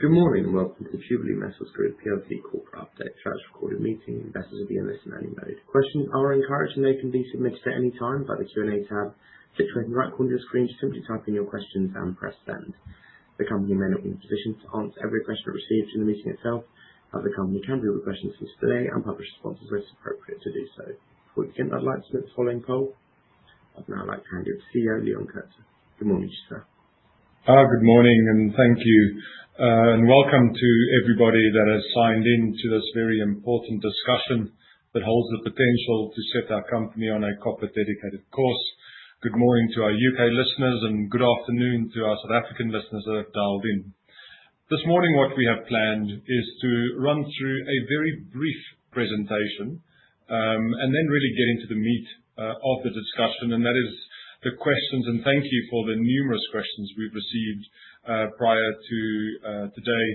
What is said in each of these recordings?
Good morning and welcome to Jubilee Metals Group PLC corporate update. Today's recorded meeting. Investors will be in listen-only mode. Questions are encouraged and they can be submitted at any time via the Q&A tab situated in the right corner of your screen. Just simply type in your questions and press Send. The company may not be in a position to answer every question received in the meeting itself, but the company can review the questions today and publish responses where it's appropriate to do so. Before we begin, I'd like to make the following poll. I'd now like to hand you to CEO Leon Coetzer. Good morning to you, sir. Good morning and thank you. Welcome to everybody that has signed in to this very important discussion that holds the potential to set our company on a copper-dedicated course. Good morning to our U.K. listeners and good afternoon to our South African listeners that have dialed in. This morning what we have planned is to run through a very brief presentation, and then really get into the meat of the discussion, and that is the questions. Thank you for the numerous questions we've received prior to today,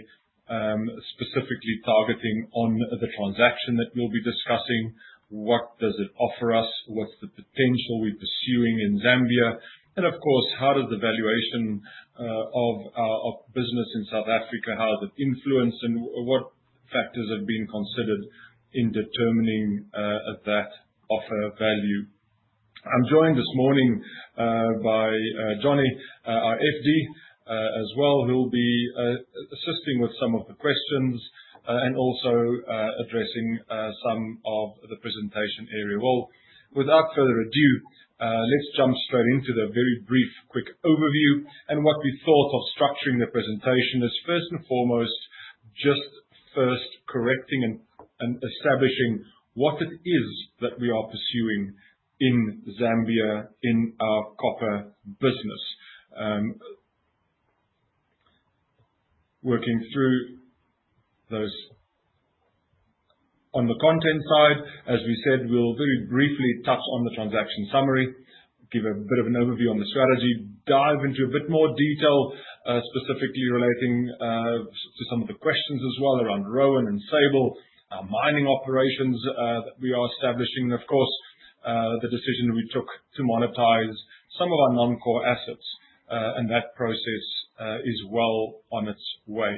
specifically targeting on the transaction that we'll be discussing. What does it offer us? What's the potential we're pursuing in Zambia? Of course, how does the valuation of our business in South Africa influence and what factors have been considered in determining that offer value? I'm joined this morning by Johnny, our FD, as well, who will be assisting with some of the questions and also addressing some of the presentation area. Well, without further ado, let's jump straight into the very brief, quick overview. What we thought of structuring the presentation is first and foremost, just first correcting and establishing what it is that we are pursuing in Zambia in our copper business. Working through those. On the content side, as we said, we'll very briefly touch on the transaction summary, give a bit of an overview on the strategy, dive into a bit more detail, specifically relating to some of the questions as well around Rowan and Sable, our mining operations, that we are establishing. Of course, the decision we took to monetize some of our non-core assets, and that process, is well on its way.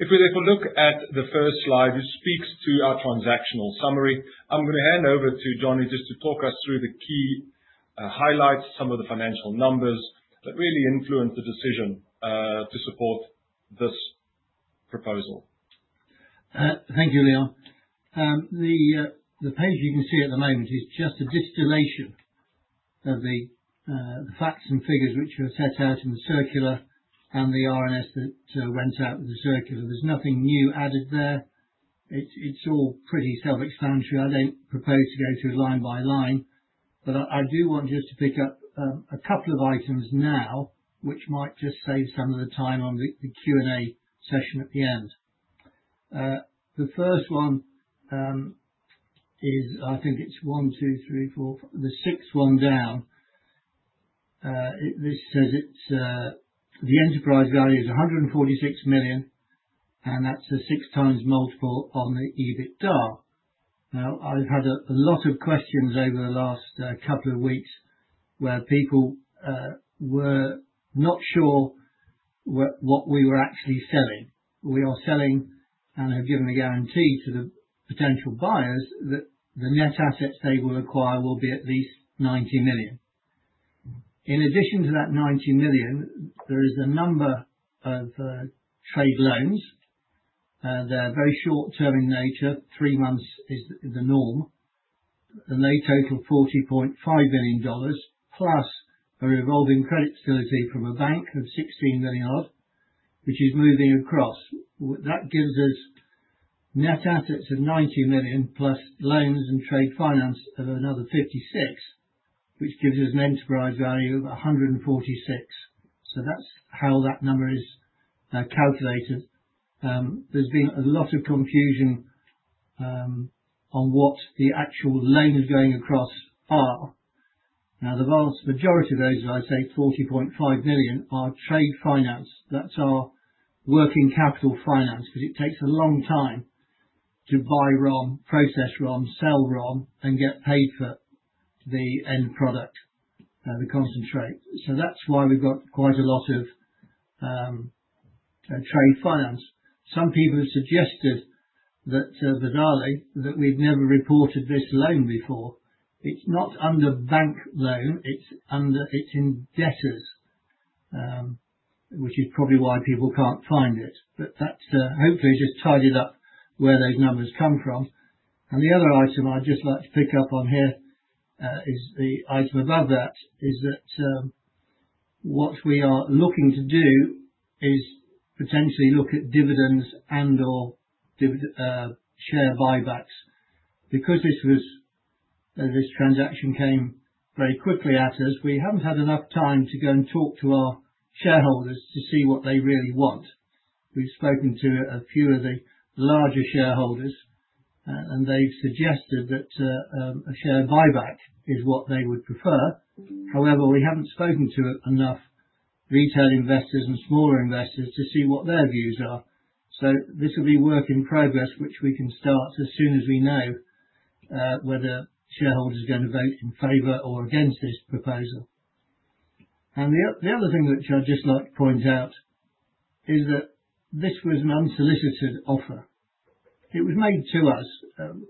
If we take a look at the first slide, which speaks to our transactional summary. I'm gonna hand over to Johnny just to talk us through the key highlights, some of the financial numbers that really influence the decision, to support this proposal. Thank you, Leon. The page you can see at the moment is just a distillation of the facts and figures which were set out in the circular and the RNS that went out with the circular. There's nothing new added there. It's all pretty self-explanatory. I don't propose to go through line by line, but I do want just to pick up a couple of items now which might just save some of the time on the Q&A session at the end. The first one is I think it's one, two ,three, four, the sixth one down. This says it's the enterprise value is 146 million, and that's a 6x multiple on the EBITDA. Now I've had a lot of questions over the last couple of weeks where people were not sure what we were actually selling. We are selling, and have given a guarantee to the potential buyers that the net assets they will acquire will be at least $90 million. In addition to that $90 million, there is a number of trade loans. They're very short-term in nature. Three months is the norm. They total $40.5 million+ a revolving credit facility from a bank of $16 million, which is moving across. That gives us net assets of $90 million plus loans and trade finance of another $56 million, which gives us an enterprise value of $146 million. That's how that number is calculated. There's been a lot of confusion on what the actual lenders going across are. Now, the vast majority of those, as I say, $40.5 million are trade finance. That's our working capital finance 'cause it takes a long time to buy ROM, process ROM, sell ROM and get paid for the end product, the concentrate. That's why we've got quite a lot of trade finance. Some people have suggested that the Darley, that we've never reported this loan before. It's not under bank loan, it's in debtors, which is probably why people can't find it. That hopefully just tidies up where those numbers come from. The other item I'd just like to pick up on here is the item above that, what we are looking to do is potentially look at dividends and/or share buybacks. Because this transaction came very quickly at us, we haven't had enough time to go and talk to our shareholders to see what they really want. We've spoken to a few of the larger shareholders and they've suggested that a share buyback is what they would prefer. However, we haven't spoken to enough retail investors and smaller investors to see what their views are. This will be work in progress, which we can start as soon as we know whether shareholders are gonna vote in favor or against this proposal. The other thing which I'd just like to point out is that this was an unsolicited offer. It was made to us.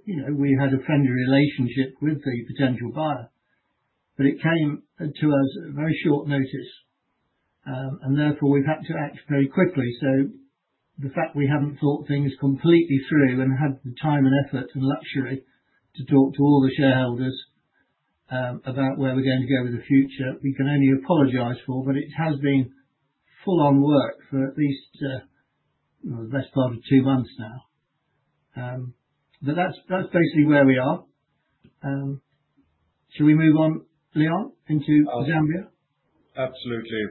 You know, we had a friendly relationship with the potential buyer, but it came to us at very short notice. Therefore we've had to act very quickly. So the fact we haven't thought things completely through and had the time and effort and luxury to talk to all the shareholders, about where we're going to go with the future, we can only apologize for, but it has been full-on work for at least the best part of two months now. But that's basically where we are. Shall we move on, Leon, into Zambia? Absolutely.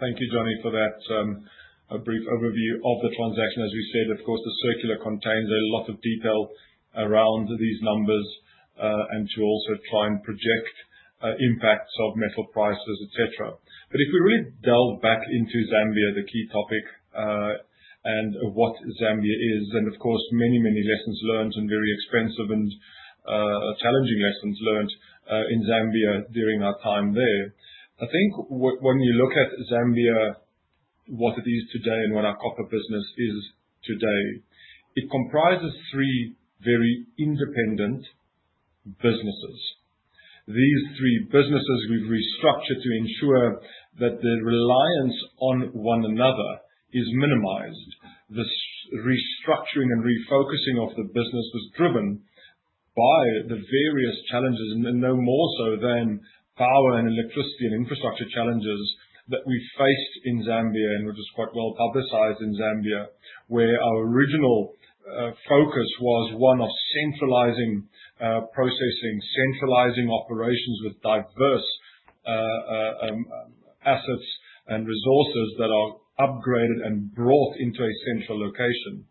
Thank you, Johnny, for that brief overview of the transaction. As we said, of course, the circular contains a lot of detail around these numbers, and to also try and project impacts of metal prices, et cetera. If we really delve back into Zambia, the key topic, and what Zambia is, and of course many, many lessons learned and very expensive and challenging lessons learned in Zambia during our time there. I think when you look at Zambia, what it is today and what our copper business is today, it comprises three very independent businesses. These three businesses we've restructured to ensure that the reliance on one another is minimized. The restructuring and refocusing of the business was driven by the various challenges, and no more so than power and electricity and infrastructure challenges that we faced in Zambia and which is quite well-publicized in Zambia. Where our original focus was one of centralizing processing, centralizing operations with diverse assets and resources that are upgraded and brought into a central location.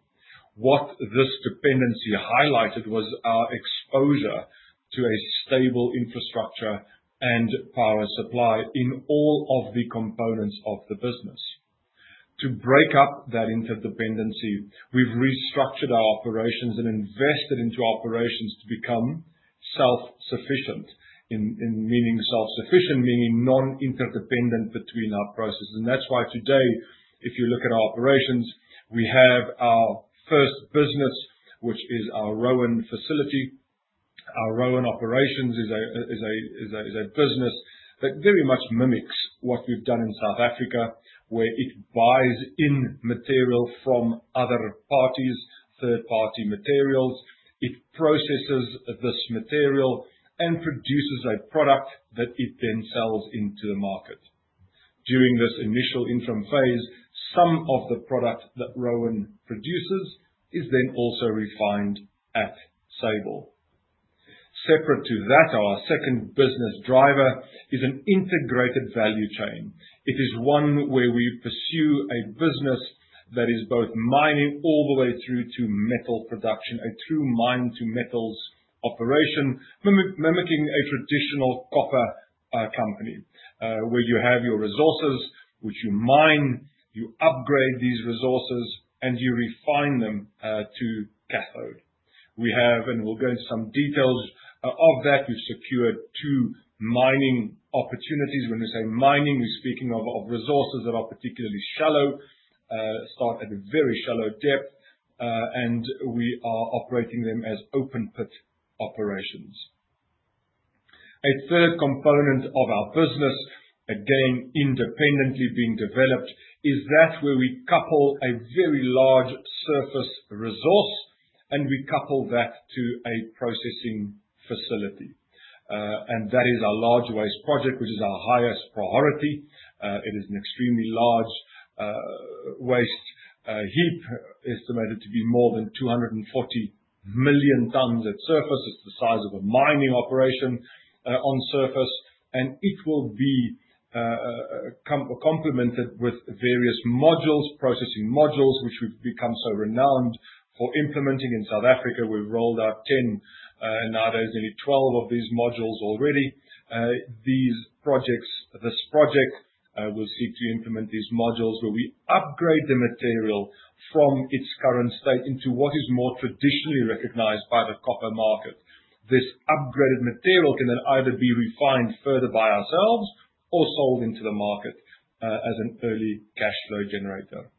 What this dependency highlighted was our exposure to a stable infrastructure and power supply in all of the components of the business. To break up that interdependency, we've restructured our operations and invested into operations to become self-sufficient. In meaning self-sufficient, meaning non-interdependent between our processes. That's why today, if you look at our operations, we have our first business, which is our ROM facility. Our Rowan operations is a business that very much mimics what we've done in South Africa, where it buys in material from other parties, third-party materials. It processes this material and produces a product that it then sells into the market. During this initial interim phase, some of the product that Rowan produces is then also refined at Sable. Separate to that, our second business driver is an integrated value chain. It is one where we pursue a business that is both mining all the way through to metal production, a true mine to metals operation. Mimicking a traditional copper company, where you have your resources, which you mine, you upgrade these resources, and you refine them to cathode. We have, and we'll go into some details of that. We've secured two mining opportunities. When we say mining, we're speaking of resources that are particularly shallow. They start at a very shallow depth, and we are operating them as open pit operations. A third component of our business, again, independently being developed, is that where we couple a very large surface resource, and we couple that to a processing facility. That is our large waste project, which is our highest priority. It is an extremely large waste heap, estimated to be more than 240 million tonnes at surface. It's the size of a mining operation on surface. It will be complemented with various modules, processing modules, which we've become so renowned for implementing in South Africa. We've rolled out 10, now there's nearly 12 of these modules already. This project will seek to implement these modules where we upgrade the material from its current state into what is more traditionally recognized by the copper market. This upgraded material can then either be refined further by ourselves or sold into the market as an early cash flow generator.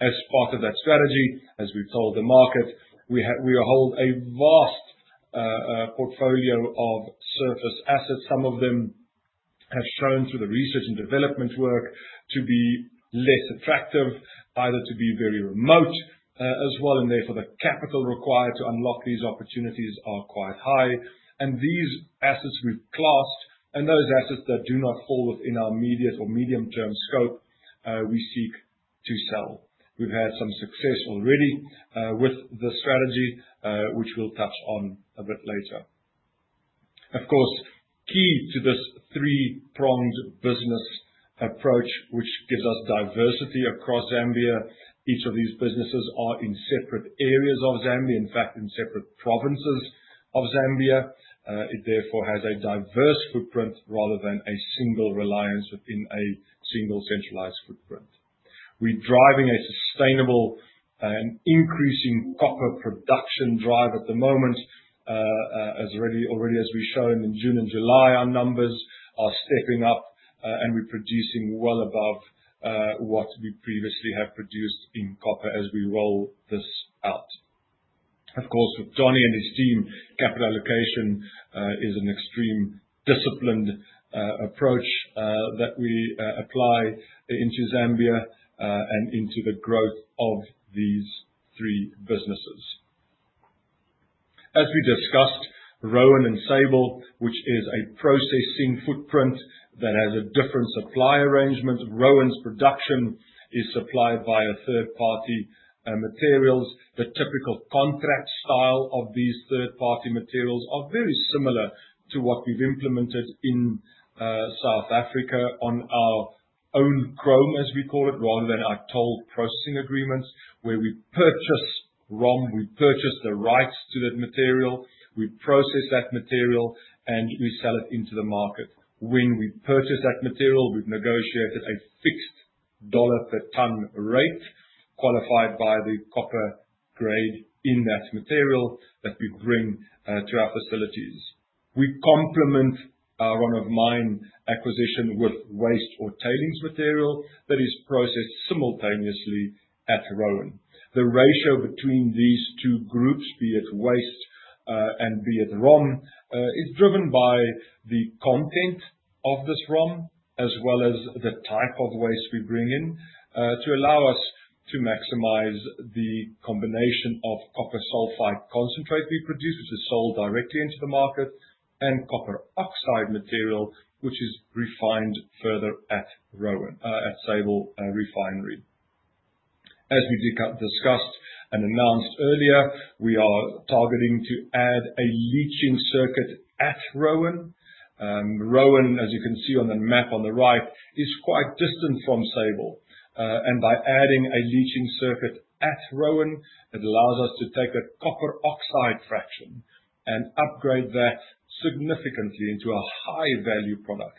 As part of that strategy, as we've told the market, we hold a vast portfolio of surface assets. Some of them have shown through the research and development work to be less attractive, either to be very remote as well, and therefore the capital required to unlock these opportunities are quite high. These assets we've classed, and those assets that do not fall within our immediate or medium-term scope, we seek to sell. We've had some success already with the strategy, which we'll touch on a bit later. Of course, key to this three-pronged business approach, which gives us diversity across Zambia, each of these businesses are in separate areas of Zambia, in fact, in separate provinces of Zambia. It therefore has a diverse footprint rather than a single reliance within a single centralized footprint. We're driving a sustainable and increasing copper production drive at the moment. As already as we've shown in June and July, our numbers are stepping up, and we're producing well above what we previously have produced in copper as we roll this out. Of course, with Johnny and his team, capital allocation is an extremely disciplined approach that we apply into Zambia and into the growth of these three businesses. As we discussed, Rowan and Sable, which is a processing footprint that has a different supply arrangement. Rowan’s production is supplied by a third-party materials. The typical contract style of these third-party materials are very similar to what we've implemented in South Africa on our own chrome, as we call it, rather than our toll processing agreements, where we purchase ROM, we purchase the rights to that material, we process that material, and we sell it into the market. When we purchase that material, we've negotiated a fixed dollar-per-ton rate qualified by the copper grade in that material that we bring to our facilities. We complement our run-of-mine acquisition with waste or tailings material that is processed simultaneously at Rowan. The ratio between these two groups, be it waste, and be it ROM, is driven by the content of this ROM, as well as the type of waste we bring in, to allow us to maximize the combination of copper sulfide concentrate we produce, which is sold directly into the market, and copper oxide material, which is refined further at Rowan, at Sable Refinery. As we discussed and announced earlier, we are targeting to add a leaching circuit at Rowan. Rowan, as you can see on the map on the right, is quite distant from Sable. By adding a leaching circuit at Rowan, it allows us to take a copper oxide fraction and upgrade that significantly into a high-value product,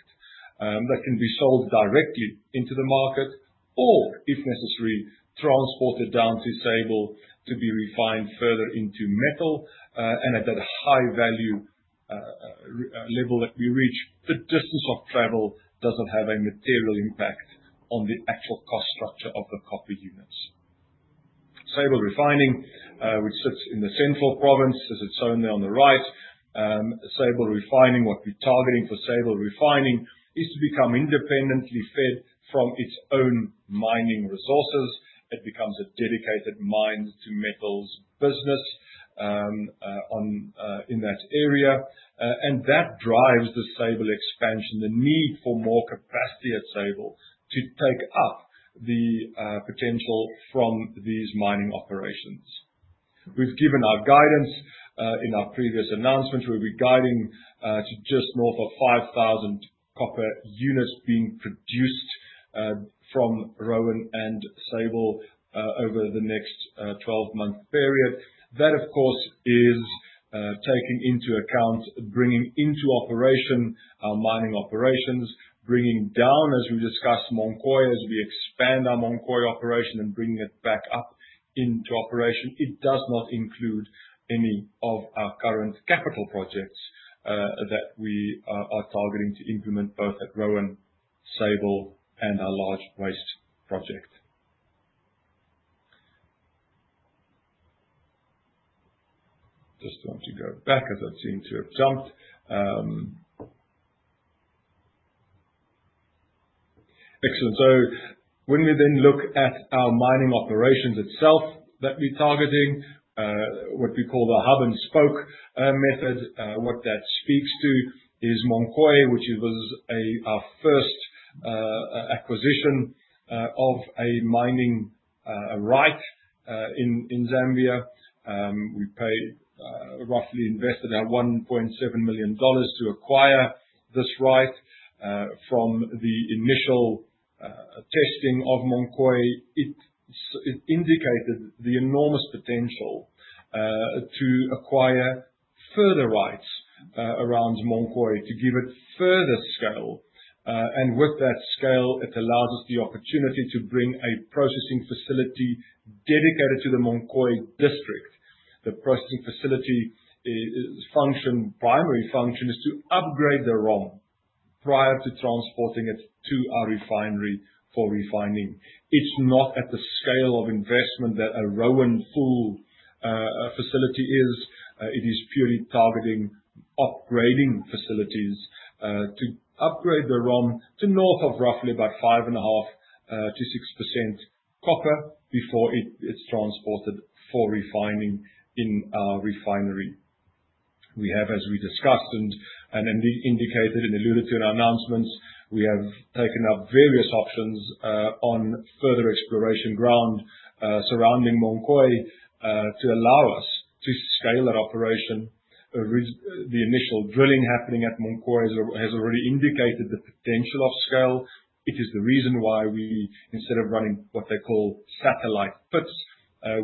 that can be sold directly into the market or, if necessary, transported down to Sable to be refined further into metal, and at that high value, recovery level that we reach. The distance of travel doesn't have a material impact on the actual cost structure of the copper units. Sable Refining, which sits in the Central Province, as it's shown there on the right. Sable Refining, what we're targeting for Sable Refining is to become independently fed from its own mining resources. It becomes a dedicated mine to metals business, in that area. That drives the Sable expansion, the need for more capacity at Sable to take up the potential from these mining operations. We've given our guidance in our previous announcement. We'll be guiding to just north of 5,000 copper units being produced from Rowan and Sable over the next 12-month period. That, of course, is taking into account bringing into operation our mining operations, bringing down, as we discussed, Munkoyo, as we expand our Munkoyo operation and bringing it back up into operation. It does not include any of our current capital projects that we are targeting to implement both at Rowan, Sable, and our large waste project. I just want to go back as I seem to have jumped. Excellent. When you then look at our mining operations itself that we're targeting, what we call the hub and spoke method, what that speaks to is Munkoyo, which was our first acquisition of a mining right in Zambia. We invested roughly $1.7 million to acquire this right. From the initial testing of Munkoyo, it indicated the enormous potential to acquire further rights around Munkoyo to give it further scale. With that scale, it allows us the opportunity to bring a processing facility dedicated to the Munkoyo district. The processing facility primary function is to upgrade the ROM prior to transporting it to our refinery for refining. It's not at the scale of investment that a full-blown facility is. It is purely targeting upgrading facilities to upgrade the ROM to north of roughly about 5.5%-6% copper before it is transported for refining in our refinery. We have, as we discussed and indicated and alluded to in our announcements, we have taken up various options on further exploration ground surrounding Munkoyo to allow us to scale that operation. The initial drilling happening at Munkoyo has already indicated the potential of scale. It is the reason why we, instead of running what they call satellite pits,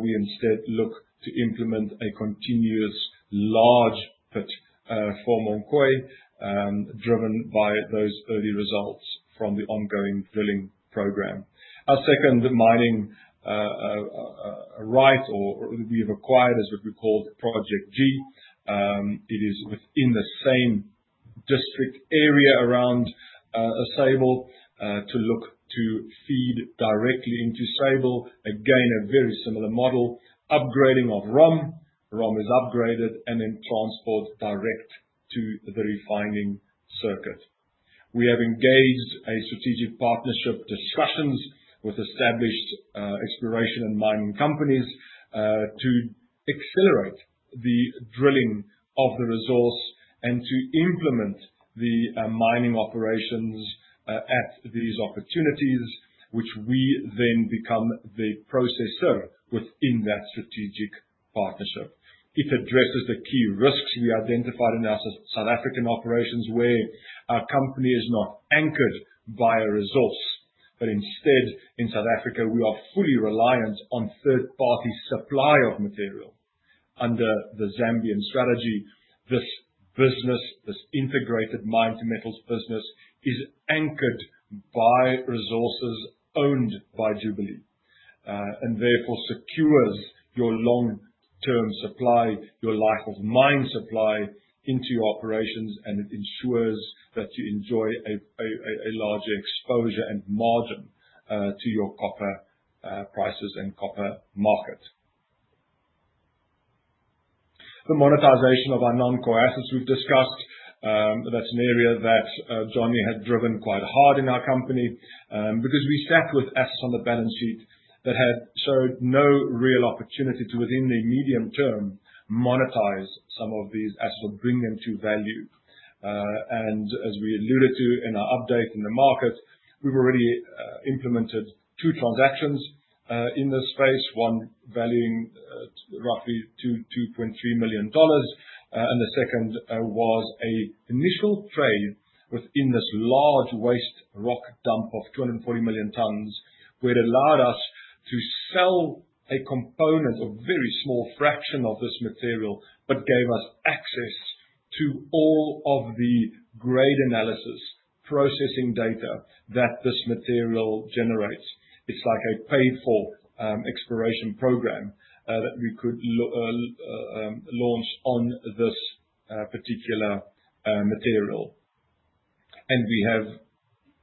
we instead look to implement a continuous large pit for Munkoyo driven by those early results from the ongoing drilling program. Our second mining right we've acquired is what we call Project G. It is within the same district area around Sable to look to feed directly into Sable. Again, a very similar model. Upgrading of ROM. ROM is upgraded and then transported direct to the refining circuit. We have engaged a strategic partnership discussions with established exploration and mining companies to accelerate the drilling of the resource and to implement the mining operations at these opportunities, which we then become the processor within that strategic partnership. It addresses the key risks we identified in our South African operations, where our company is not anchored by a resource, but instead, in South Africa, we are fully reliant on third-party supply of material. Under the Zambian strategy, this business, this integrated mine to metals business, is anchored by resources owned by Jubilee. Therefore secures your long-term supply, your life of mine supply into your operations, and it ensures that you enjoy a larger exposure and margin to your copper prices and copper market. The monetization of our non-core assets we've discussed, that's an area that Johnny has driven quite hard in our company, because we sat with assets on the balance sheet that had showed no real opportunity to, within the medium term, monetize some of these assets or bring them to value. As we alluded to in our update in the market, we've already implemented two transactions in this space, one valuing roughly $2.3 million. The second was an initial trade within this large waste rock dump of 240 million tons, where it allowed us to sell a component, a very small fraction of this material, but gave us access to all of the grade analysis processing data that this material generates. It's like a paid-for exploration program that we could launch on this particular material. We have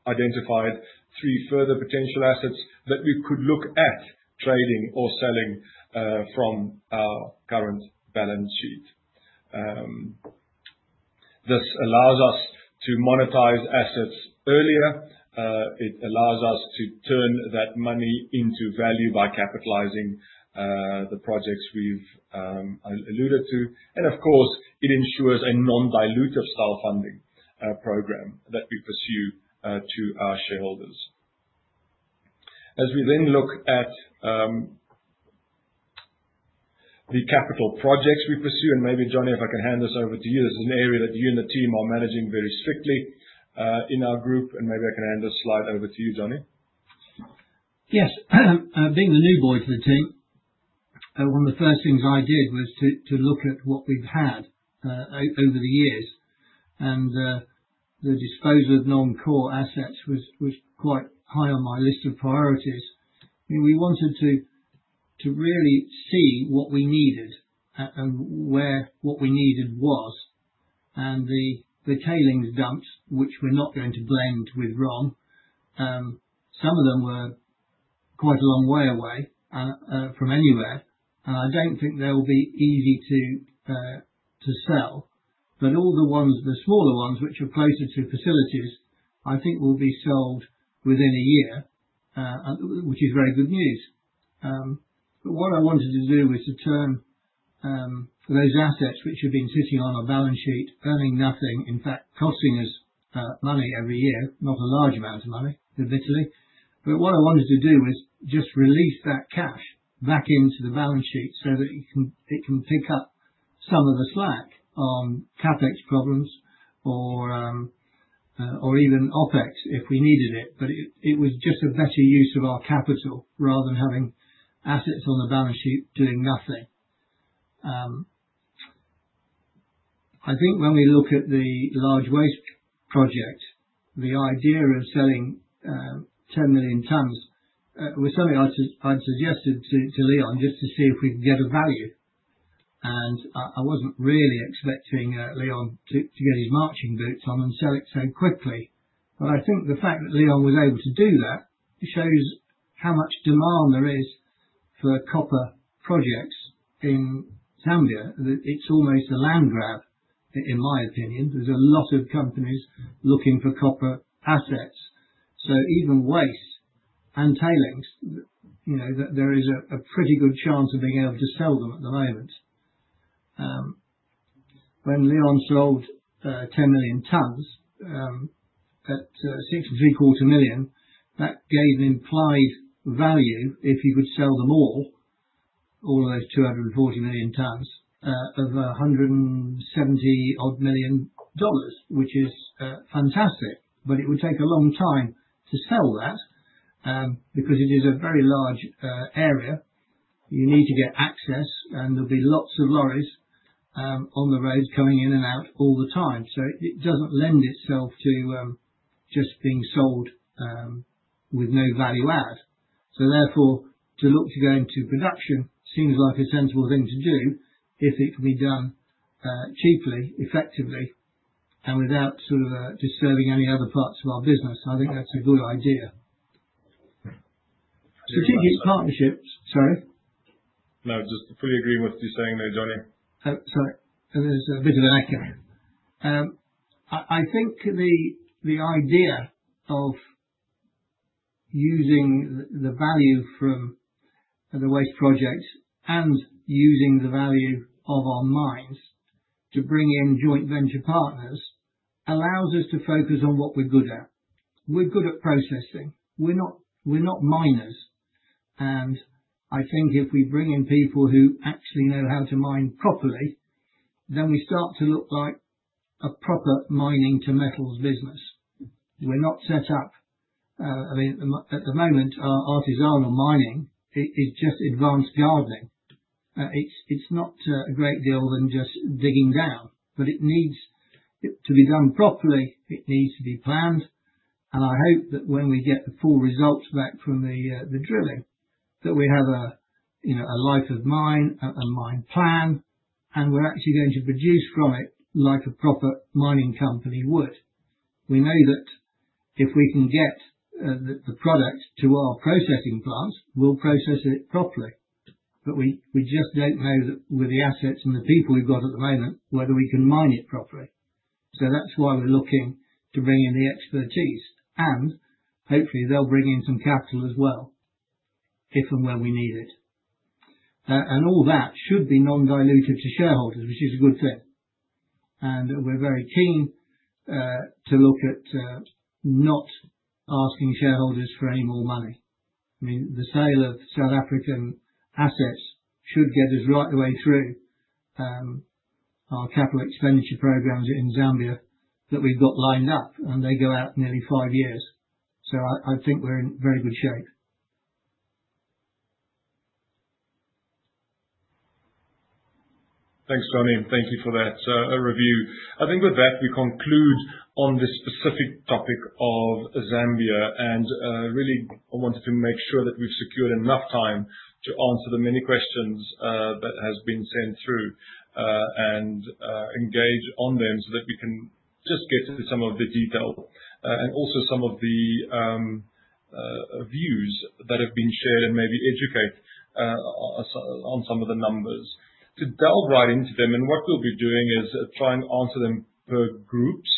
identified three further potential assets that we could look at trading or selling from our current balance sheet. This allows us to monetize assets earlier. It allows us to turn that money into value by capitalizing the projects we've alluded to. Of course, it ensures a non-dilutive style funding program that we pursue to our shareholders. As we then look at the capital projects we pursue, and maybe Johnny, if I can hand this over to you. This is an area that you and the team are managing very strictly in our group, and maybe I can hand this slide over to you, Johnny. Yes. Being the new boy to the team, one of the first things I did was to look at what we've had over the years. The disposal of non-core assets was quite high on my list of priorities. We wanted to really see what we needed and where what we needed was. The tailings dumps, which we're not going to blend with ROM, some of them were quite a long way away from anywhere. I don't think they will be easy to sell. All the ones, the smaller ones, which are closer to facilities, I think will be sold within a year, which is very good news. What I wanted to do was to turn those assets which had been sitting on our balance sheet earning nothing, in fact, costing us money every year, not a large amount of money, admittedly. What I wanted to do was just release that cash back into the balance sheet so that it can pick up some of the slack on CapEx problems or even OpEx, if we needed it. It was just a better use of our capital rather than having assets on the balance sheet doing nothing. I think when we look at the large waste project, the idea of selling 10 million tons was something I suggested to Leon just to see if we could get a value. I wasn't really expecting Leon to get his marching boots on and sell it so quickly. I think the fact that Leon was able to do that shows how much demand there is for copper projects in Zambia. It's almost a land grab, in my opinion. There's a lot of companies looking for copper assets. So even waste and tailings, you know, there is a pretty good chance of being able to sell them at the moment. When Leon sold 10 million tons at $6.75 million, that gave an implied value, if you could sell them all, those 240 million tons, of $170-odd million, which is fantastic. It would take a long time to sell that because it is a very large area. You need to get access, and there'll be lots of lorries on the road coming in and out all the time. It doesn't lend itself to just being sold with no value add. Therefore, to look to go into production seems like a sensible thing to do if it can be done cheaply, effectively, and without sort of disturbing any other parts of our business. I think that's a good idea. I agree with that. Strategic partnerships. Sorry? No, I just fully agree with what you're saying there, Johnny. Oh, sorry. There's a bit of an echo. I think the idea of using the value from the waste project and using the value of our mines to bring in joint venture partners allows us to focus on what we're good at. We're good at processing. We're not miners. I think if we bring in people who actually know how to mine properly, then we start to look like a proper mining to metals business. We're not set up. I mean, at the moment, our artisanal mining is just advanced gardening. It's not a great deal other than just digging down, but it needs to be done properly. It needs to be planned. I hope that when we get the full results back from the drilling, that we have a, you know, a life of mine, a mine plan, and we're actually going to produce from it like a proper mining company would. We know that if we can get the product to our processing plant, we'll process it properly. We just don't know that with the assets and the people we've got at the moment, whether we can mine it properly. That's why we're looking to bring in the expertise and hopefully they'll bring in some capital as well if and when we need it. All that should be non-dilutive to shareholders, which is a good thing. We're very keen to look at not asking shareholders for any more money. I mean, the sale of South African assets should get us right the way through our capital expenditure programs in Zambia that we've got lined up, and they go out nearly five years. I think we're in very good shape. Thanks, Johnny. Thank you for that review. I think with that, we conclude on this specific topic of Zambia. Really, I wanted to make sure that we've secured enough time to answer the many questions that has been sent through and engage on them so that we can just get into some of the detail and also some of the views that have been shared and maybe educate on some of the numbers. To delve right into them, what we'll be doing is try and answer them per groups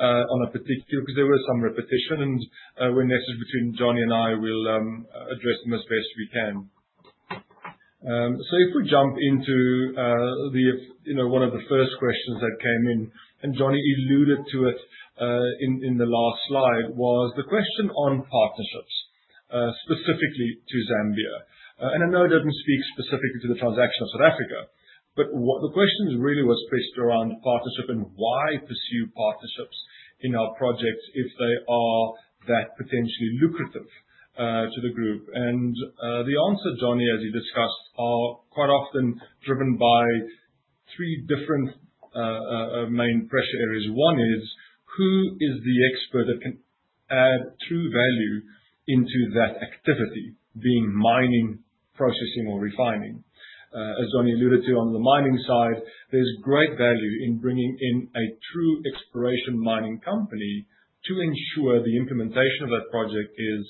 on a particular because there was some repetition and we're nestled between Johnny and I, we'll address them as best we can. If we jump into the, you know, one of the first questions that came in, Johnny alluded to it in the last slide, was the question on partnerships, specifically to Zambia. I know it doesn't speak specifically to the transaction of South Africa, but what the question really was based around partnership and why pursue partnerships in our projects if they are that potentially lucrative to the group. The answer, Johnny, as you discussed, are quite often driven by three different main pressure areas. One is who is the expert that can add true value into that activity being mining, processing or refining? As Johnny alluded to on the mining side, there's great value in bringing in a true exploration mining company to ensure the implementation of that project is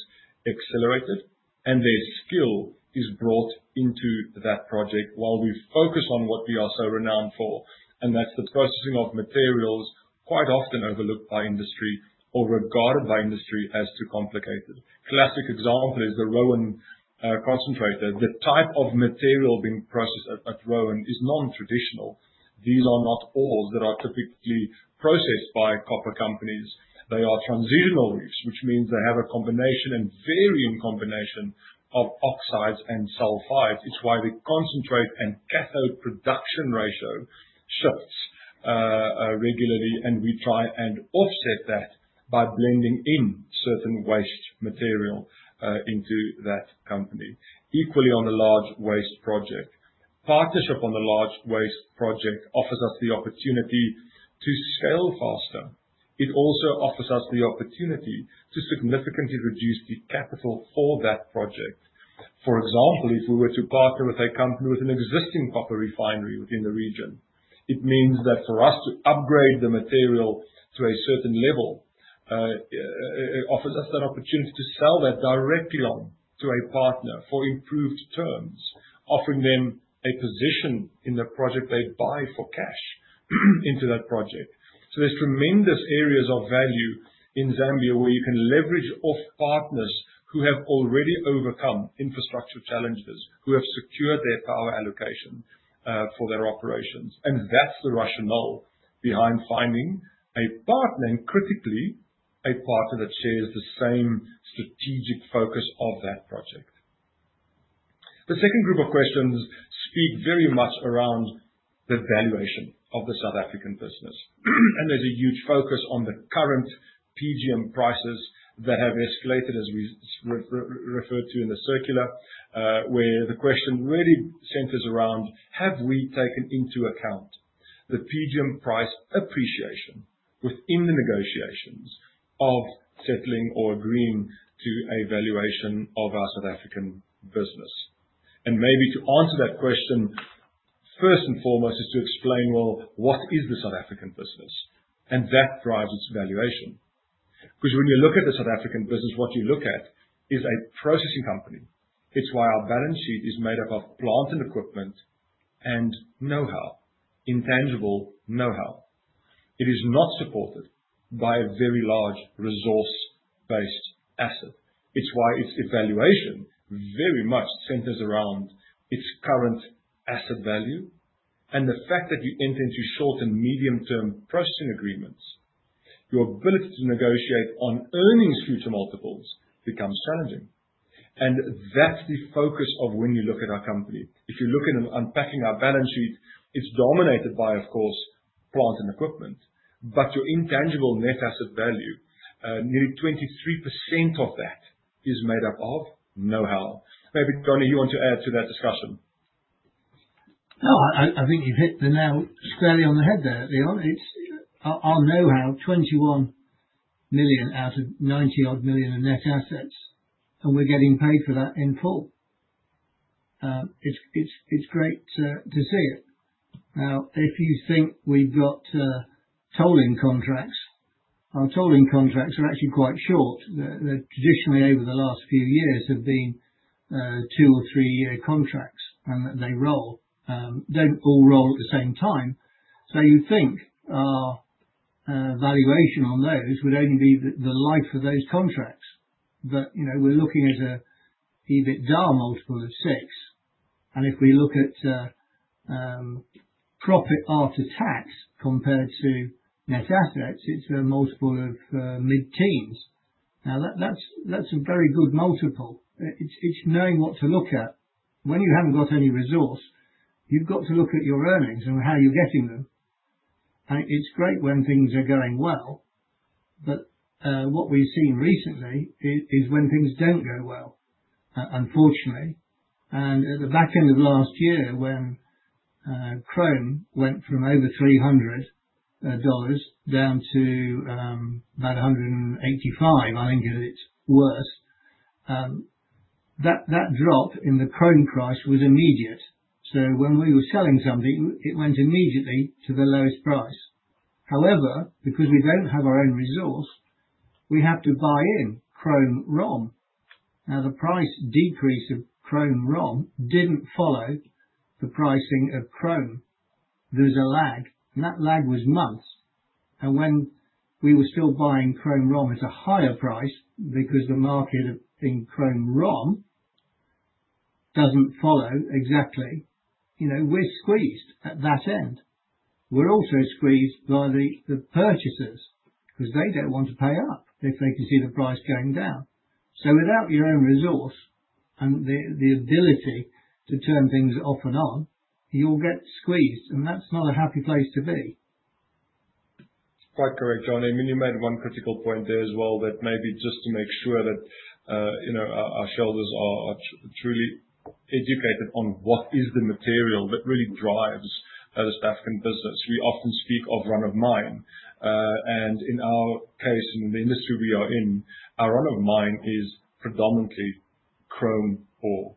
accelerated and their skill is brought into that project while we focus on what we are so renowned for. That's the processing of materials quite often overlooked by industry or regarded by industry as too complicated. Classic example is the Rowan Concentrator. The type of material being processed at Rowan is non-traditional. These are not ores that are typically processed by copper companies. They are transitional ores, which means they have a combination and varying combination of oxides and sulfides. It's why the concentrate and cathode production ratio shifts regularly, and we try and offset that by blending in certain waste material into that company. Equally on the large waste project. Partnership on the large waste project offers us the opportunity to scale faster. It also offers us the opportunity to significantly reduce the capital for that project. For example, if we were to partner with a company with an existing copper refinery within the region, it means that for us to upgrade the material to a certain level, it offers us an opportunity to sell that directly on to a partner for improved terms, offering them a position in the project they buy for cash into that project. There's tremendous areas of value in Zambia where you can leverage off partners who have already overcome infrastructure challenges, who have secured their power allocation, for their operations. That's the rationale behind finding a partner and critically a partner that shares the same strategic focus of that project. The second group of questions speak very much around the valuation of the South African business. There's a huge focus on the current PGM prices that have escalated as we referred to in the circular, where the question really centers around have we taken into account the PGM price appreciation within the negotiations of settling or agreeing to a valuation of our South African business. Maybe to answer that question, first and foremost, is to explain, well, what is the South African business? That drives its valuation. Because when you look at the South African business, what you look at is a processing company. It's why our balance sheet is made up of plant and equipment and know-how, intangible know-how. It is not supported by a very large resource-based asset. It's why its valuation very much centers around its current asset value and the fact that you enter into short and medium-term processing agreements. Your ability to negotiate on earnings future multiples becomes challenging. That's the focus of when you look at our company. If you look at unpacking our balance sheet, it's dominated by, of course, plant and equipment. Your intangible net asset value, nearly 23% of that is made up of know-how. Maybe, Johnny, you want to add to that discussion. No, I think you've hit the nail squarely on the head there, Leon. It's our know-how, 21 million out of 90-odd million in net assets, and we're getting paid for that in full. It's great to see it. Now, if you think we've got tolling contracts, our tolling contracts are actually quite short. They're traditionally over the last few years have been two or three year contracts, and they roll. They don't all roll at the same time. So you'd think our valuation on those would only be the life of those contracts. But you know, we're looking at an EBITDA multiple of 6. And if we look at profit after tax compared to net assets, it's a multiple of mid-teens. Now that's a very good multiple. It's knowing what to look at. When you haven't got any resource, you've got to look at your earnings and how you're getting them. It's great when things are going well. What we've seen recently is when things don't go well, unfortunately. At the back end of last year when chrome went from over $300 down to about $185, I think at its worst, that drop in the chrome price was immediate. When we were selling something, it went immediately to the lowest price. However, because we don't have our own resource, we have to buy in chrome ROM. Now, the price decrease of chrome ROM didn't follow the pricing of chrome. There's a lag, and that lag was months. When we were still buying chrome ROM at a higher price because the market in chrome ROM doesn't follow exactly, you know, we're squeezed at that end. We're also squeezed by the purchasers because they don't want to pay up if they can see the price going down. Without your own resource and the ability to turn things off and on, you'll get squeezed, and that's not a happy place to be. Quite correct, Johnny. You made one critical point there as well that maybe just to make sure that, you know, our shareholders are truly educated on what is the material that really drives our South African business. We often speak of run of mine. In our case, in the industry we are in, our run of mine is predominantly chrome ore.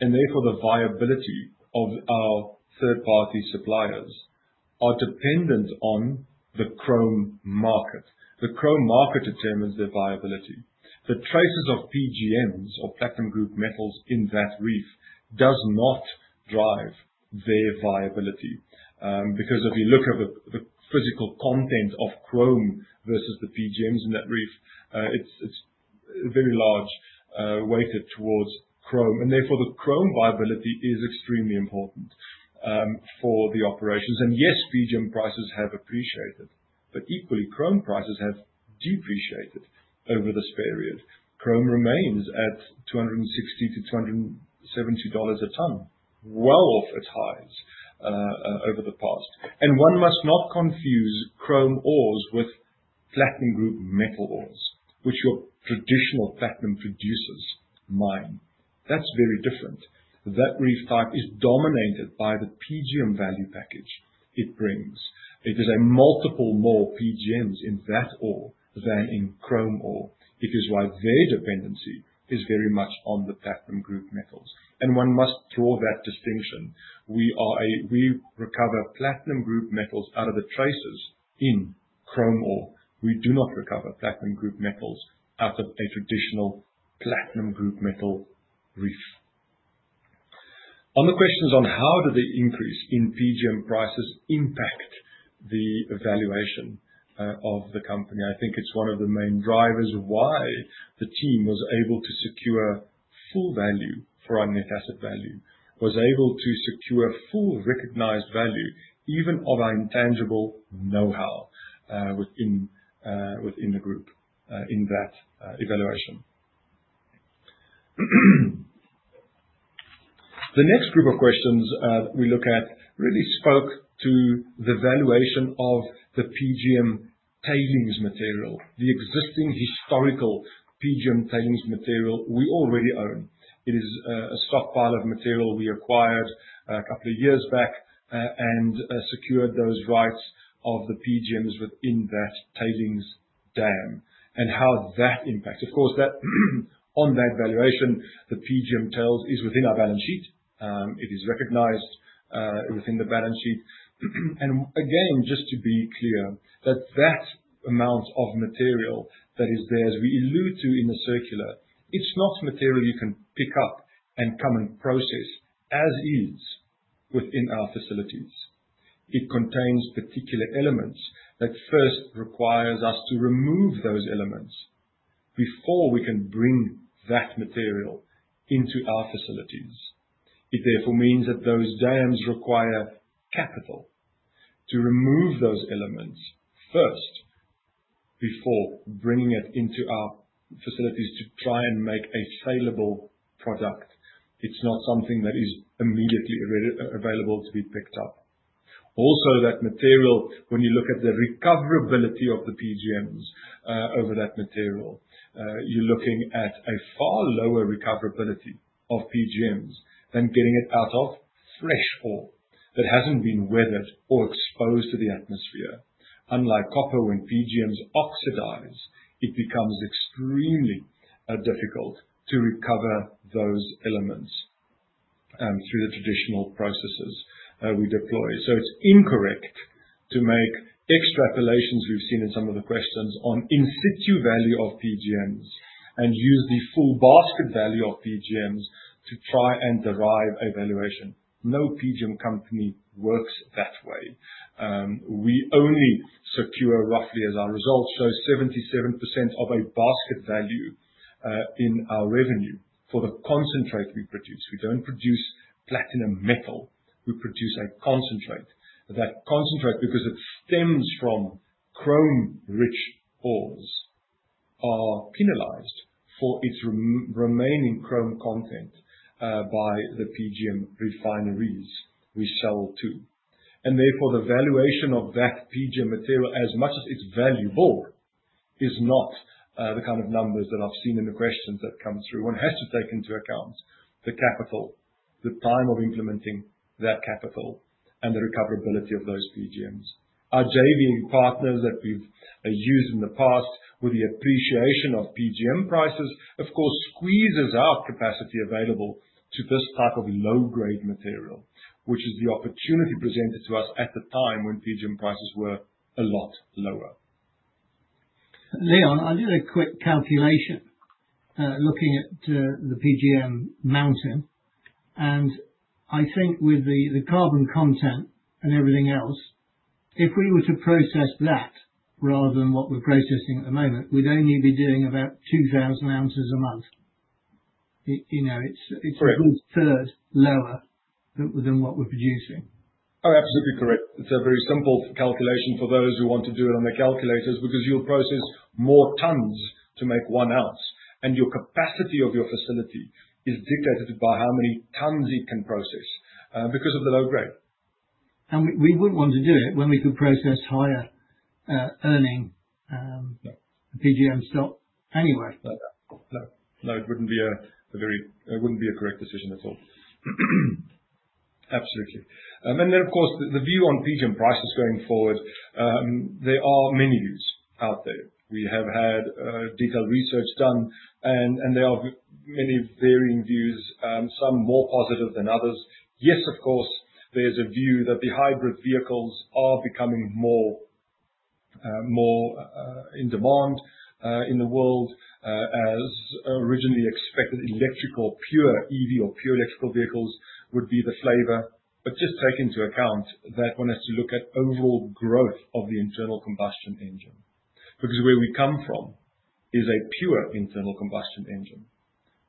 Therefore, the viability of our third-party suppliers are dependent on the chrome market. The chrome market determines their viability. The traces of PGMs or platinum group metals in that reef does not drive their viability. Because if you look at the physical content of chrome versus the PGMs in that reef, it's very large weighted towards chrome. Therefore, the chrome viability is extremely important for the operations. Yes, PGM prices have appreciated, but equally, chrome prices have depreciated over this period. Chrome remains at $260-$270 a ton, well off its highs over the past. One must not confuse chrome ores with platinum group metal ores, which your traditional platinum producers mine. That's very different. That reef type is dominated by the PGM value package it brings. It is a multiple more PGMs in that ore than in chrome ore. It is why their dependency is very much on the platinum group metals. One must draw that distinction. We recover platinum group metals out of the traces in chrome ore. We do not recover platinum group metals out of a traditional platinum group metal reef. On the questions on how the increase in PGM prices impact the valuation of the company, I think it's one of the main drivers of why the team was able to secure full value for our net asset value. Was able to secure full recognized value even of our intangible know-how within the group in that evaluation. The next group of questions really spoke to the valuation of the PGM tailings material, the existing historical PGM tailings material we already own. It is a stockpile of material we acquired a couple of years back and secured those rights of the PGMs within that tailings dam and how that impacts on that valuation, the PGM tails is within our balance sheet. It is recognized within the balance sheet. Again, just to be clear that that amount of material that is there, as we allude to in the circular, it's not material you can pick up and come and process as is within our facilities. It contains particular elements that first requires us to remove those elements before we can bring that material into our facilities. It therefore means that those dams require capital to remove those elements first before bringing it into our facilities to try and make a saleable product. It's not something that is immediately available to be picked up. Also, that material, when you look at the recoverability of the PGMs over that material, you're looking at a far lower recoverability of PGMs than getting it out of fresh ore that hasn't been weathered or exposed to the atmosphere. Unlike copper, when PGMs oxidize, it becomes extremely difficult to recover those elements through the traditional processes we deploy. It's incorrect to make extrapolations we've seen in some of the questions on in-situ value of PGMs and use the full basket value of PGMs to try and derive a valuation. No PGM company works that way. We only secure, roughly as our results show, 77% of a basket value in our revenue for the concentrate we produce. We don't produce platinum metal, we produce a concentrate. That concentrate, because it stems from chrome-rich ores, are penalized for its remaining chrome content by the PGM refineries we sell to. Therefore, the valuation of that PGM material, as much as it's valuable, is not the kind of numbers that I've seen in the questions that come through. One has to take into account the capital, the time of implementing that capital, and the recoverability of those PGMs. Our JV partners that we've used in the past with the appreciation of PGM prices, of course, squeezes our capacity available to this type of low-grade material, which is the opportunity presented to us at the time when PGM prices were a lot lower. Leon, I did a quick calculation, looking at the PGM mountain, and I think with the carbon content and everything else, if we were to process that rather than what we're processing at the moment, we'd only be doing about 2,000 ounces a month. You know, it's. Correct. 2/3 lower than what we're producing. Oh, absolutely correct. It's a very simple calculation for those who want to do it on their calculators because you'll process more tons to make one ounce, and your capacity of your facility is dictated by how many tons it can process, because of the low grade. We wouldn't want to do it when we could process higher earning. No. PGM stock anyway. No, it wouldn't be a correct decision at all. Absolutely. Then of course, the view on PGM prices going forward, there are many views out there. We have had detailed research done and there are very many varying views, some more positive than others. Yes, of course, there's a view that the hybrid vehicles are becoming more in demand in the world than originally expected. Electrical pure EV or pure electrical vehicles would be the flavor. Just take into account that one has to look at overall growth of the internal combustion engine. Because where we come from is a pure internal combustion engine,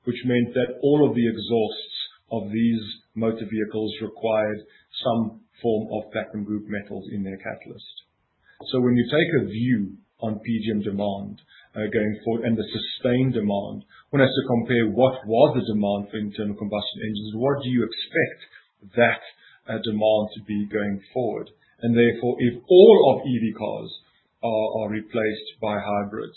which meant that all of the exhausts of these motor vehicles required some form of platinum group metals in their catalyst. When you take a view on PGM demand going forward, and the sustained demand, one has to compare what was the demand for internal combustion engines. What do you expect that demand to be going forward? Therefore, if all of EV cars are replaced by hybrids,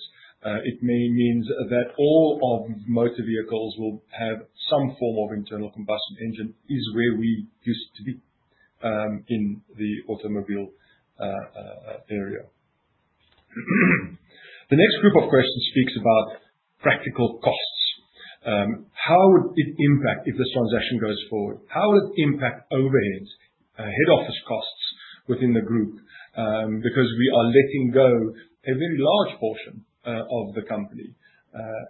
it may mean that all of motor vehicles will have some form of internal combustion engine, is where we used to be in the automobile area. The next group of questions speaks about practical costs. How would it impact if this transaction goes forward? How will it impact overheads, head office costs within the group? Because we are letting go of a very large portion of the company,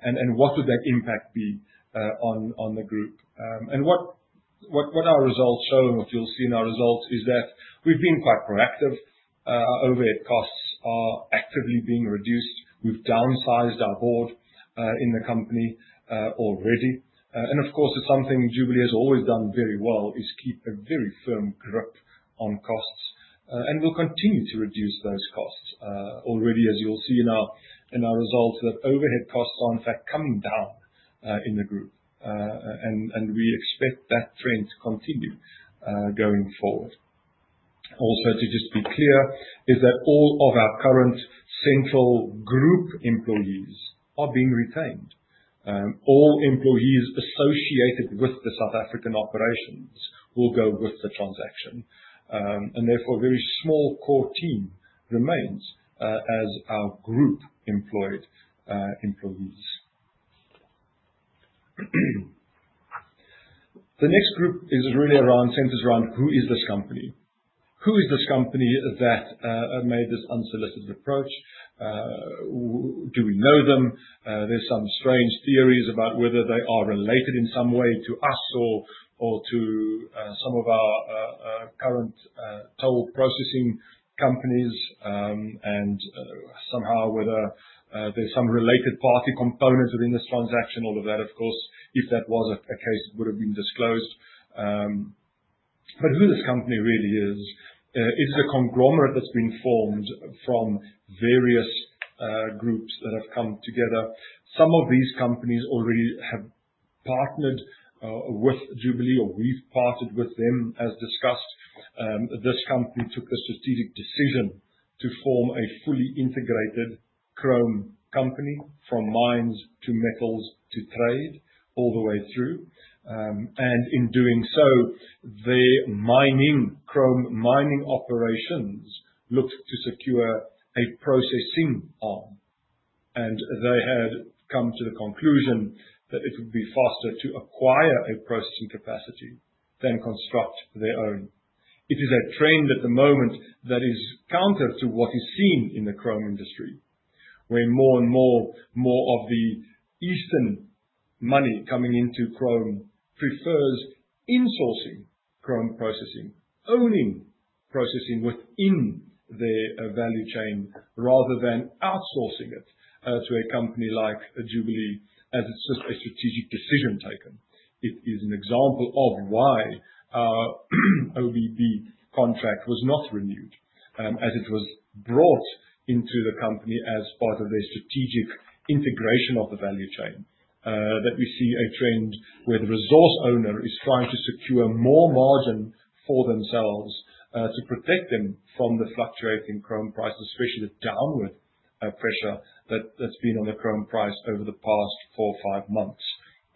and what would that impact be on the group? What our results show and what you'll see in our results is that we've been quite proactive. Our overhead costs are actively being reduced. We've downsized our board in the company already. Of course, it's something Jubilee has always done very well, is keep a very firm grip on costs, and we'll continue to reduce those costs. Already as you'll see in our results that overhead costs are in fact coming down in the group. We expect that trend to continue going forward. Also, to just be clear, is that all of our current central group employees are being retained. All employees associated with the South African operations will go with the transaction. Therefore, a very small core team remains as our group employed employees. The next group really centers around who is this company? Who is this company that made this unsolicited approach? Do we know them? There's some strange theories about whether they are related in some way to us or to some of our current toll processing companies and somehow whether there's some related party component within this transaction. All of that, of course, if that was a case, it would've been disclosed. Who this company really is, it's a conglomerate that's been formed from various groups that have come together. Some of these companies already have partnered with Jubilee or we've partnered with them, as discussed. This company took a strategic decision to form a fully integrated chrome company from mines to metals to trade all the way through. In doing so, their mining, chrome mining operations looked to secure a processing arm, and they had come to the conclusion that it would be faster to acquire a processing capacity than construct their own. It is a trend at the moment that is counter to what is seen in the chrome industry, where more and more of the eastern money coming into chrome prefers insourcing chrome processing, owning processing within their value chain rather than outsourcing it to a company like Jubilee as a strategic decision taken. It is an example of why our OBB contract was not renewed, as it was brought into the company as part of their strategic integration of the value chain. That we see a trend where the resource owner is trying to secure more margin for themselves, to protect them from the fluctuating chrome prices, especially the downward pressure that's been on the chrome price over the past 4 or 5 months,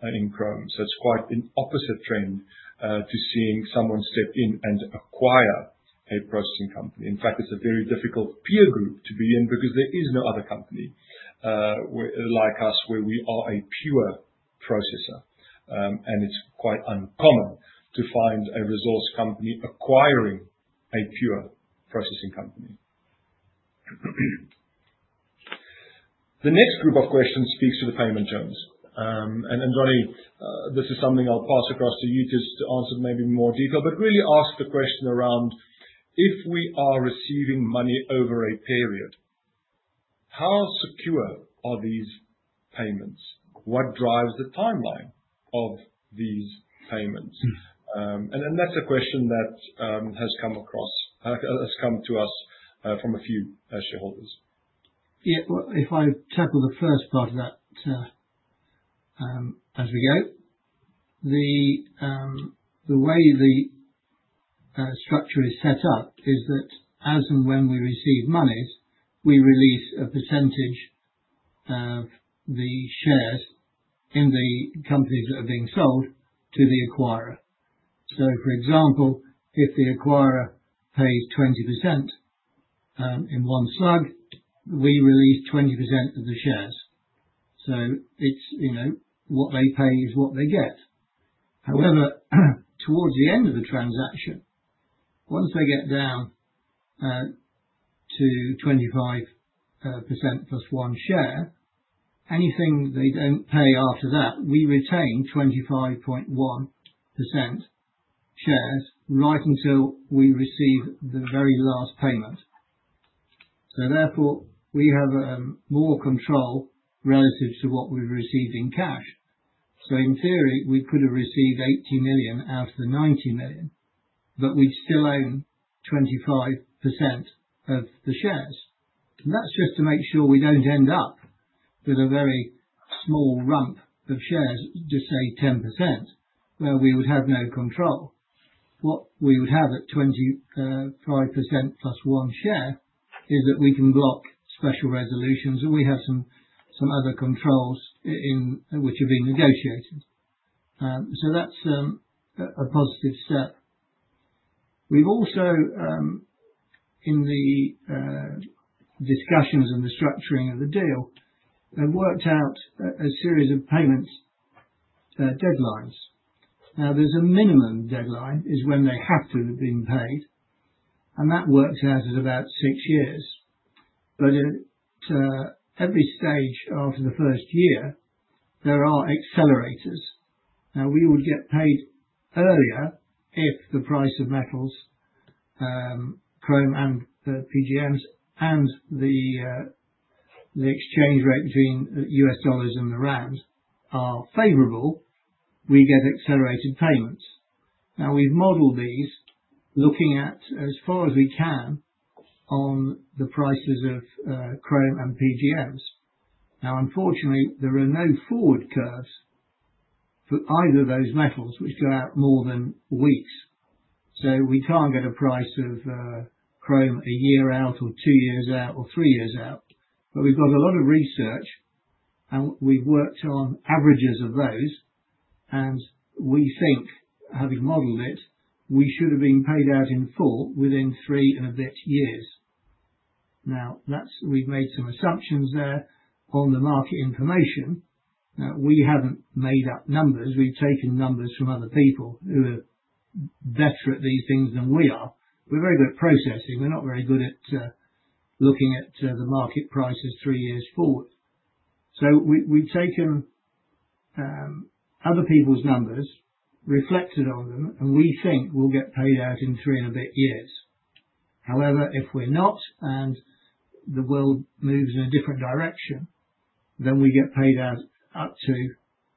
in chrome. It's quite an opposite trend to seeing someone step in and acquire a processing company. In fact, it's a very difficult peer group to be in because there is no other company, like us, where we are a pure processor. It's quite uncommon to find a resource company acquiring a pure processing company. The next group of questions speaks to the payment terms. Then Johnny, this is something I'll pass across to you just to answer in maybe more detail. Really ask the question around if we are receiving money over a period, how secure are these payments? What drives the timeline of these payments? Then that's a question that has come to us from a few shareholders. Yeah. Well, if I tackle the first part of that, as we go. The way the structure is set up is that as and when we receive monies, we release a percentage of the shares in the companies that are being sold to the acquirer. For example, if the acquirer pays 20%, in one slug, we release 20% of the shares. It's, you know, what they pay is what they get. However, towards the end of the transaction, once they get down to 25% + 1 share, anything they don't pay after that, we retain 25.1% shares right until we receive the very last payment. Therefore, we have more control relative to what we've received in cash. In theory, we could have received 80 million out of the 90 million, but we still own 25% of the shares. That's just to make sure we don't end up with a very small rump of shares, just say 10%, where we would have no control. What we would have at 25% + 1 share is that we can block special resolutions, and we have some other controls in which are being negotiated. That's a positive step. We've also in the discussions on the structuring of the deal, have worked out a series of payment deadlines. Now, the minimum deadline is when they have to have been paid, and that works out at about six years. At every stage after the first year, there are accelerators. We will get paid earlier if the price of metals, chrome and the PGMs and the exchange rate between US dollars and the rand are favorable. We get accelerated payments. We've modeled these looking at as far as we can on the prices of chrome and PGMs. Unfortunately, there are no forward curves for either of those metals which go out more than weeks. We can't get a price of chrome a year out or two years out or three years out. We've got a lot of research and we've worked on averages of those, and we think, having modeled it, we should have been paid out in full within three and a bit years. That's. We've made some assumptions there on the market information. We haven't made up numbers. We've taken numbers from other people who are better at these things than we are. We're very good at processing. We're not very good at looking at the market prices three years forward. We've taken other people's numbers, reflected on them, and we think we'll get paid out in three and a bit years. However, if we're not, and the world moves in a different direction, then we get paid out up to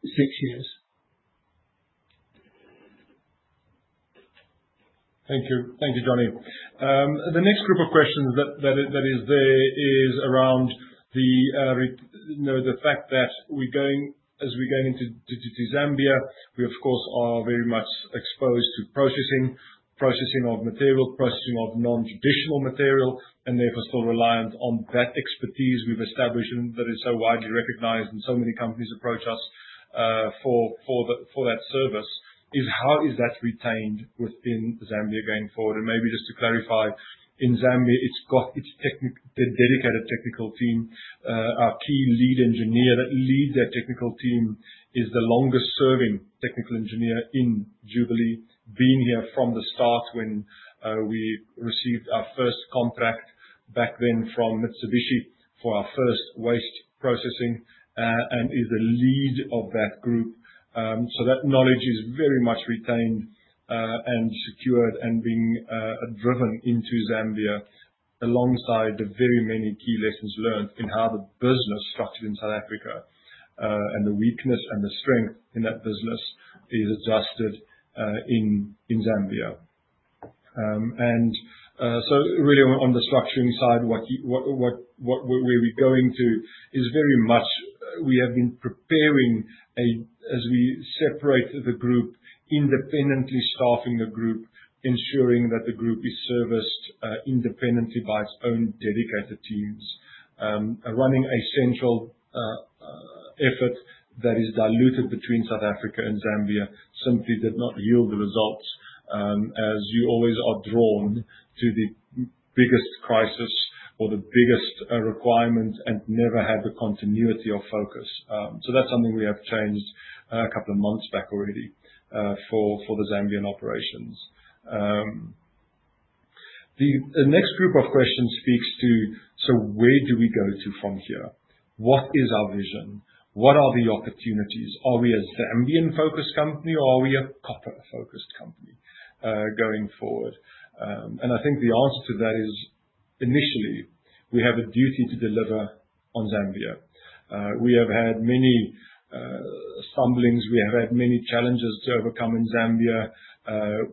six years. Thank you. Thank you, Johnny. The next group of questions that is there is around the, you know, the fact that we're going as we're going into Zambia, we of course are very much exposed to processing. Processing of material, processing of non-traditional material, and therefore still reliant on that expertise we've established and that is so widely recognized and so many companies approach us for that service, is how is that retained within Zambia going forward? Maybe just to clarify, in Zambia, it's got its dedicated technical team. Our key lead engineer that leads that technical team is the longest serving technical engineer in Jubilee, being here from the start when we received our first contract back then from Mitsubishi for our first waste processing, and is the lead of that group. That knowledge is very much retained and secured and being driven into Zambia alongside the very many key lessons learned in how the business is structured in South Africa, and the weakness and the strength in that business is adjusted in Zambia. Really on the structuring side, what we're going to is very much we have been preparing as we separate the group, independently staffing the group, ensuring that the group is serviced independently by its own dedicated teams. Running a central effort that is diluted between South Africa and Zambia simply did not yield the results, as you always are drawn to the biggest crisis or the biggest requirement and never have the continuity of focus. That's something we have changed a couple of months back already, for the Zambian operations. The next group of questions speaks to where do we go to from here? What is our vision? What are the opportunities? Are we a Zambian-focused company or are we a copper-focused company, going forward? I think the answer to that is, initially, we have a duty to deliver on Zambia. We have had many stumblings. We have had many challenges to overcome in Zambia.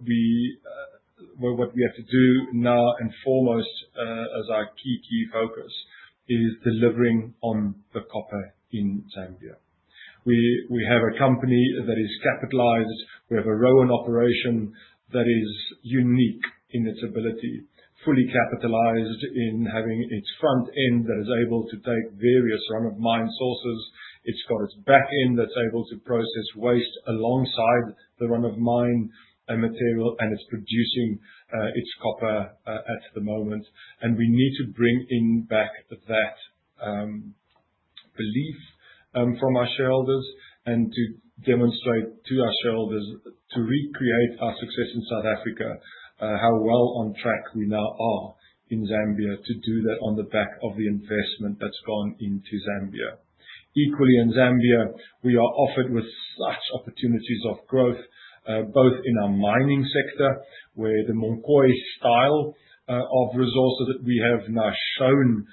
Well, what we have to do now and foremost, as our key focus is delivering on the copper in Zambia. We have a company that is capitalized. We have a ROM in operation that is unique in its ability, fully capitalized in having its front end that is able to take various run of mine sources. It's got its back end that's able to process waste alongside the run of mine and material, and it's producing its copper at the moment. We need to bring back that belief from our shareholders and to demonstrate to our shareholders to recreate our success in South Africa, how well on track we now are in Zambia to do that on the back of the investment that's gone into Zambia. Equally in Zambia, we are afforded with such opportunities of growth both in our mining sector, where the Munkoyo style of resources that we have now shown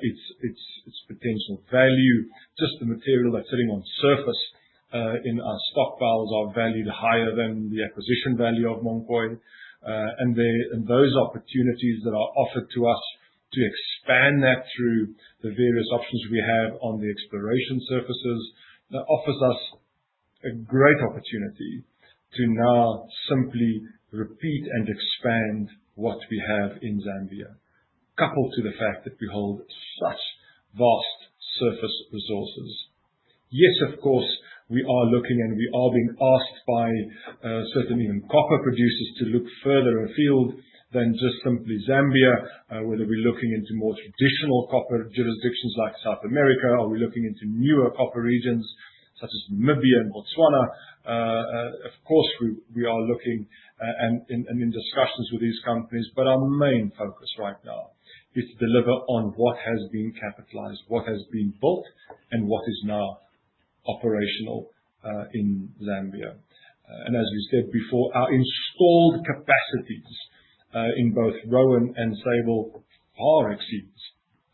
its potential value. Just the material that's sitting on surface in our stockpiles are valued higher than the acquisition value of Munkoyo. Those opportunities that are offered to us to expand that through the various options we have on the exploration surfaces, that offers us a great opportunity to now simply repeat and expand what we have in Zambia, coupled to the fact that we hold such vast surface resources. Yes, of course, we are looking and we are being asked by certain even copper producers to look further afield than just simply Zambia. Whether we're looking into more traditional copper jurisdictions like South America? Are we looking into newer copper regions such as Namibia and Botswana? Of course, we are looking and in discussions with these companies, but our main focus right now is to deliver on what has been capitalized, what has been built, and what is now operational in Zambia. As we said before, our installed capacity in both Rowan and Sable far exceeds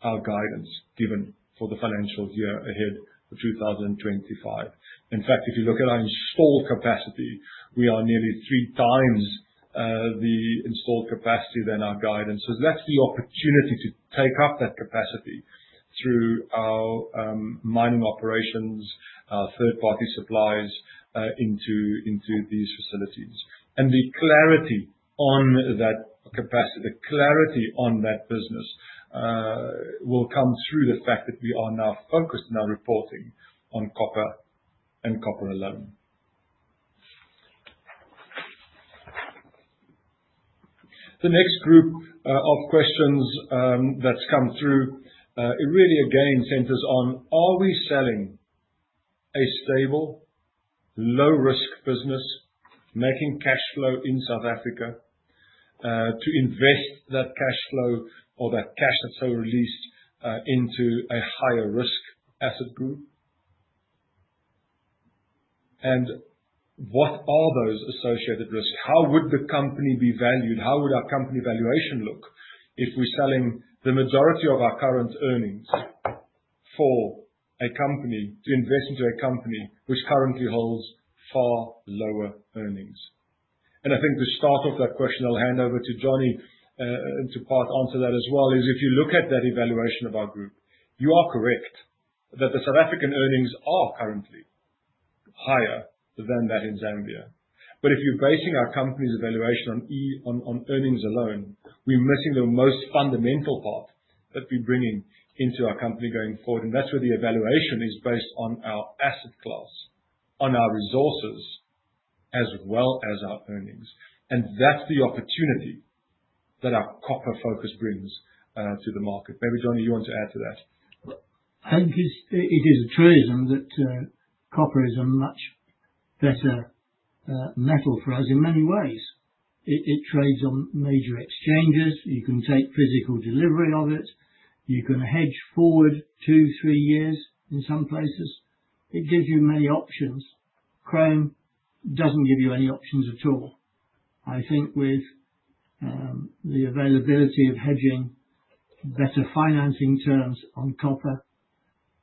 our guidance given for the financial year ahead for 2025. In fact, if you look at our installed capacity, we are nearly 3x the installed capacity than our guidance. That's the opportunity to take up that capacity through our mining operations, our third-party suppliers into these facilities. The clarity on that capacity, the clarity on that business, will come through the fact that we are now focused in our reporting on copper and copper alone. The next group of questions that's come through. It really again centers on are we selling a stable low-risk business making cash flow in South Africa to invest that cash flow or that cash that's so released into a higher risk asset group? And what are those associated risks? How would the company be valued? How would our company valuation look if we're selling the majority of our current earnings for a company to invest into a company which currently holds far lower earnings? And I think the start of that question. I'll hand over to Johnny and to partly answer that as well. If you look at that valuation of our group. You are correct that the South African earnings are currently higher than that in Zambia. If you're basing our company's evaluation on EV, on earnings alone, we're missing the most fundamental part that we're bringing into our company going forward. That's where the evaluation is based on our asset class, on our resources as well as our earnings. That's the opportunity that our copper focus brings to the market. Maybe, Johnny, you want to add to that. I think it's a truism that copper is a much better metal for us in many ways. It trades on major exchanges. You can take physical delivery of it. You can hedge forward two, three years in some places. It gives you many options. Chrome doesn't give you any options at all. I think with the availability of hedging, better financing terms on copper,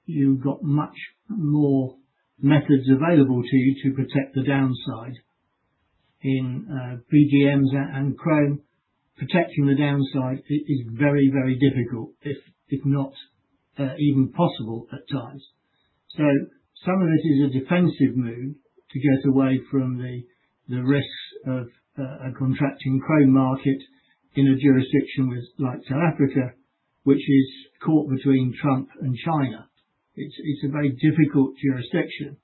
you've got much more methods available to you to protect the downside. In PGMs and chrome, protecting the downside is very difficult if not even possible at times. Some of it is a defensive move to get away from the risks of a contracting chrome market in a jurisdiction like South Africa, which is caught between Trump and China. It's a very difficult jurisdiction,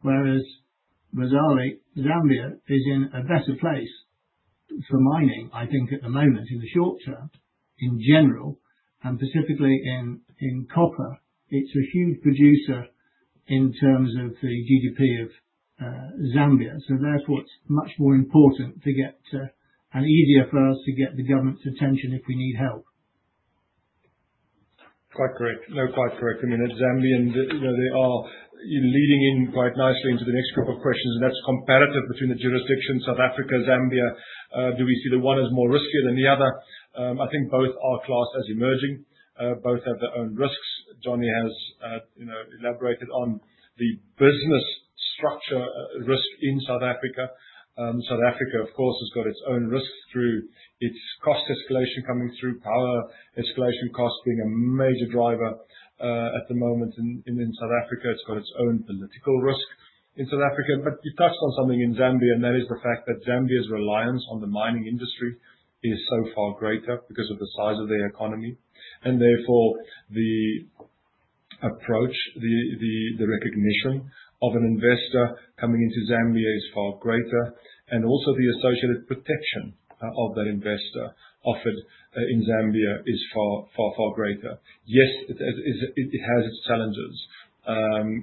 whereas Zambia is in a better place for mining, I think at the moment, in the short term in general and specifically in copper. It's a huge producer in terms of the GDP of Zambia, so therefore it's much more important to get and easier for us to get the government's attention if we need help. Quite correct. I mean, the Zambian, you know, they are leading in quite nicely into the next group of questions, and that's comparative between the jurisdictions South Africa, Zambia. Do we see that one is more riskier than the other? I think both are classed as emerging. Both have their own risks. Johnny has elaborated on the business structure risk in South Africa. South Africa of course has got its own risks through its cost escalation coming through, power escalation cost being a major driver at the moment in South Africa. It's got its own political risk in South Africa. You touched on something in Zambia, and that is the fact that Zambia's reliance on the mining industry is so far greater because of the size of their economy. Therefore the approach, the recognition of an investor coming into Zambia is far greater and also the associated protection of that investor offered in Zambia is far greater. Yes, it has its challenges.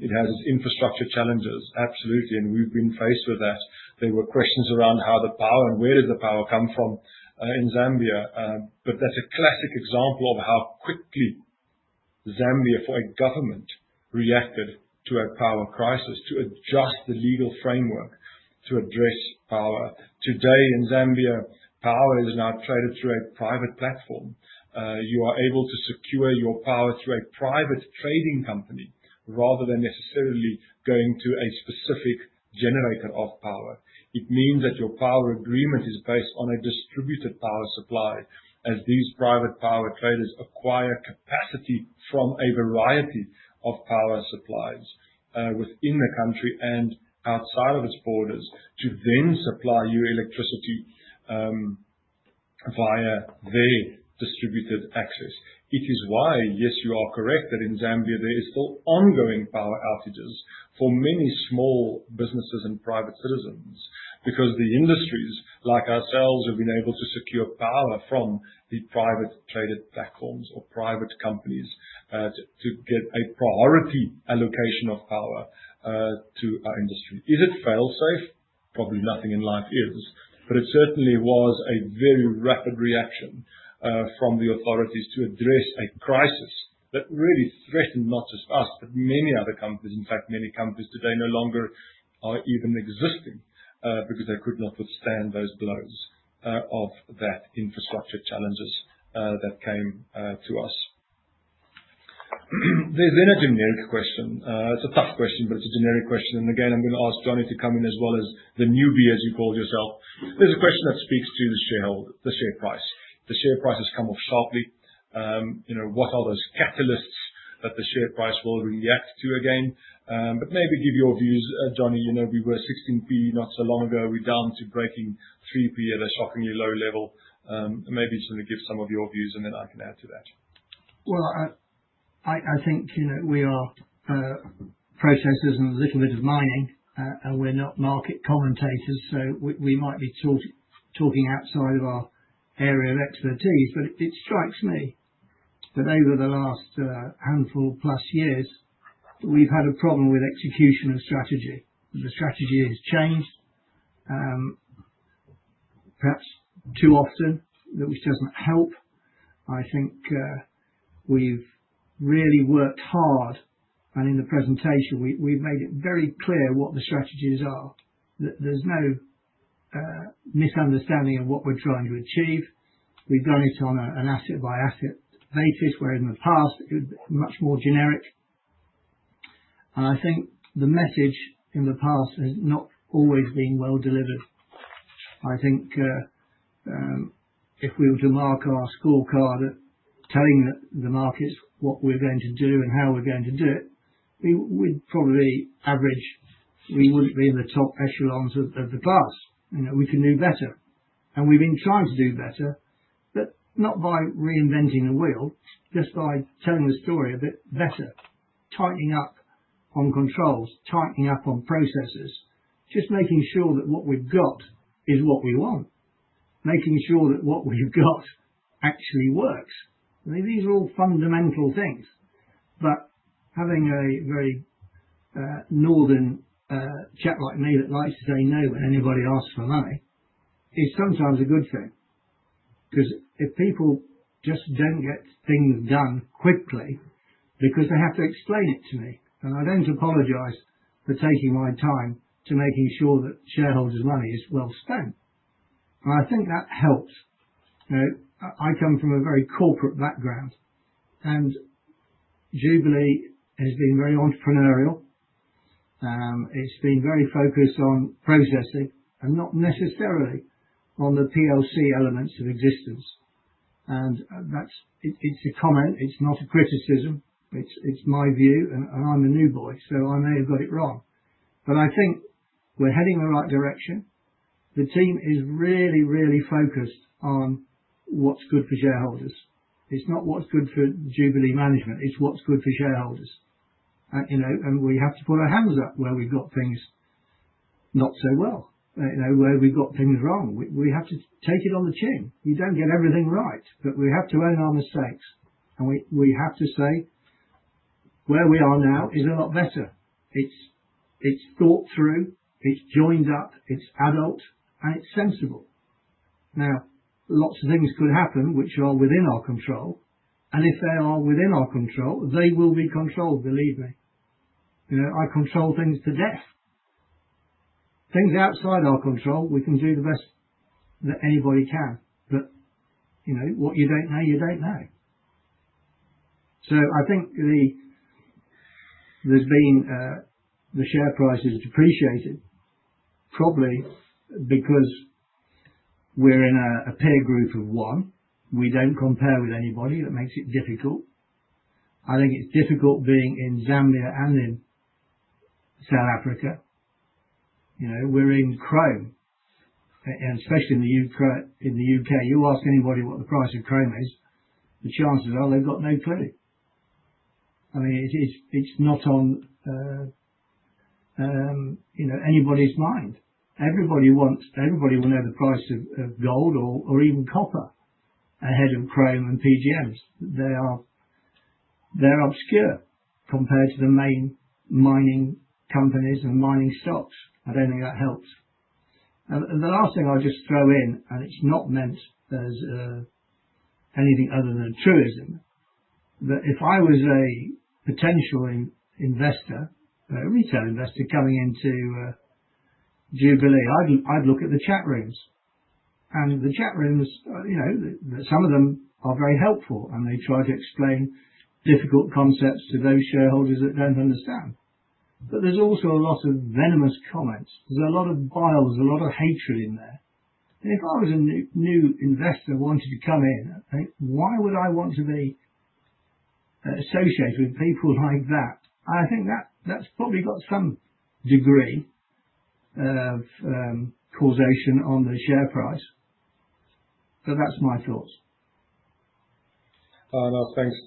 It has its infrastructure challenges, absolutely, and we've been faced with that. There were questions around how the power and where does the power come from in Zambia. That's a classic example of how quickly Zambia, for a government, reacted to a power crisis to adjust the legal framework to address power. Today in Zambia, power is now traded through a private platform. You are able to secure your power through a private trading company rather than necessarily going to a specific generator of power. It means that your power agreement is based on a distributed power supply as these private power traders acquire capacity from a variety of power suppliers within the country and outside of its borders, to then supply you electricity via their distributed access. It is why, yes, you are correct that in Zambia there is still ongoing power outages for many small businesses and private citizens because the industries like ourselves have been able to secure power from the private traded platforms or private companies to get a priority allocation of power to our industry. Is it fail-safe? Probably nothing in life is, but it certainly was a very rapid reaction from the authorities to address a crisis that really threatened not just us, but many other companies. In fact, many companies today no longer are even existing, because they could not withstand those blows of that infrastructure challenges that came to us. There's then a generic question. It's a tough question, but it's a generic question. Again, I'm gonna ask Johnny to come in as well as the newbie, as you call yourself. There's a question that speaks to the shareholder, the share price. The share price has come off sharply. You know, what are those catalysts that the share price will react to again? But maybe give your views, Johnny. You know, we were 16p not so long ago. We're down to breaking 3p at a shockingly low level. Maybe just wanna give some of your views, and then I can add to that. Well, I think, you know, we are processors and a little bit of mining, and we're not market commentators. We might be talking outside of our area of expertise. It strikes me that over the last handful plus years, we've had a problem with execution and strategy. The strategy has changed, perhaps too often, which doesn't help. I think we've really worked hard, and in the presentation, we've made it very clear what the strategies are. That there's no misunderstanding of what we're trying to achieve. We've done it on an asset-by-asset basis, where in the past it was much more generic. I think the message in the past has not always been well delivered. I think if we were to mark our scorecard at telling the markets what we're going to do and how we're going to do it, we'd probably average. We wouldn't be in the top echelons of the class. You know, we can do better. We've been trying to do better, but not by reinventing the wheel, just by telling the story a bit better. Tightening up on controls, tightening up on processes. Just making sure that what we've got is what we want. Making sure that what we've got actually works. I mean, these are all fundamental things. Having a very northern chap like me that likes to say no when anybody asks for money is sometimes a good thing. 'Cause if people just don't get things done quickly because they have to explain it to me, and I don't apologize for taking my time to making sure that shareholders' money is well spent. I think that helps. You know, I come from a very corporate background, and Jubilee has been very entrepreneurial. It's been very focused on processing and not necessarily on the PLC elements of existence. That's. It's a comment, it's not a criticism. It's my view and I'm a new boy, so I may have got it wrong. I think we're heading in the right direction. The team is really, really focused on what's good for shareholders. It's not what's good for Jubilee management, it's what's good for shareholders. You know, we have to put our hands up where we've got things not so well. You know, where we've got things wrong. We have to take it on the chin. We don't get everything right, but we have to own our mistakes. We have to say where we are now is a lot better. It's thought through, it's joined up, it's adult, and it's sensible. Now, lots of things could happen which are within our control. If they are within our control, they will be controlled, believe me. You know, I control things to death. Things outside our control, we can do the best that anybody can. You know, what you don't know, you don't know. I think the share price has depreciated probably because we're in a peer group of one. We don't compare with anybody. That makes it difficult. I think it's difficult being in Zambia and in South Africa. You know, we're in chrome. Especially in the U.K., you ask anybody what the price of chrome is, the chances are they've got no clue. I mean, it is, it's not on, you know, anybody's mind. Everybody wants, everybody will know the price of gold or even copper ahead of chrome and PGMs. They are, they're obscure compared to the main mining companies and mining stocks. I don't think that helps. The last thing I'll just throw in, and it's not meant as, anything other than a truism, that if I was a potential investor, a retail investor coming into Jubilee, I'd look at the chat rooms. The chat rooms, you know, some of them are very helpful, and they try to explain difficult concepts to those shareholders that don't understand. There's also a lot of venomous comments. There's a lot of bile. There's a lot of hatred in there. If I was a new investor wanting to come in, I think, why would I want to be associated with people like that? I think that that's probably got some degree of causation on the share price. That's my thoughts. No, thanks,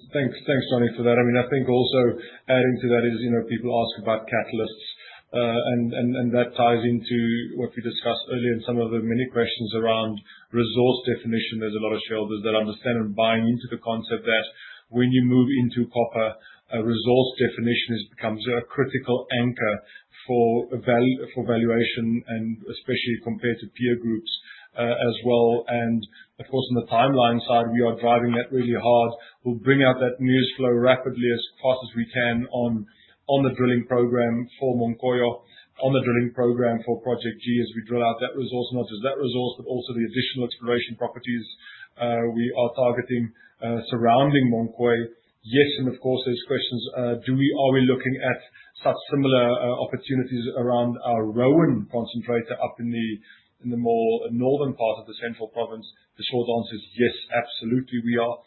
Johnny, for that. I mean, I think also adding to that is, you know, people ask about catalysts. That ties into what we discussed earlier and some of the many questions around resource definition. There's a lot of shareholders that understand and buying into the concept that when you move into copper, a resource definition becomes a critical anchor for a valuation and especially compared to peer groups, as well. Of course, on the timeline side, we are driving that really hard. We'll bring out that news flow rapidly as fast as we can on the drilling program for Munkoyo, on the drilling program for Project G as we drill out that resource. Not just that resource, but also the additional exploration properties we are targeting surrounding Munkoyo. Yes, of course, there are questions, are we looking at such similar opportunities around our Rowan Concentrator up in the more northern part of the central province? The short answer is yes, absolutely, we are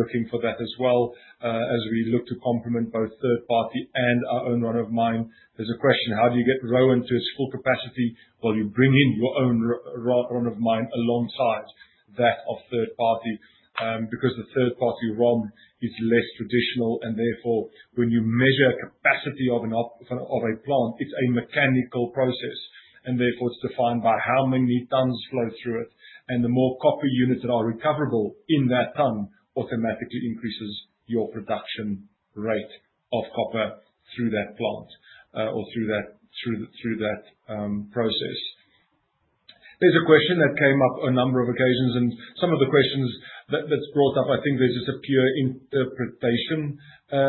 looking for that as well. As we look to complement both third party and our own run-of-mine. There is a question, how do you get Rowan to its full capacity? Well, you bring in your own run-of-mine alongside that of third party, because the third party run is less traditional and therefore when you measure capacity for a plant, it is a mechanical process and therefore it is defined by how many tons flow through it. The more copper units that are recoverable in that ton automatically increases your production rate of copper through that plant or through that process. There's a question that came up a number of occasions and some of the questions that are brought up. I think there's just a pure interpretation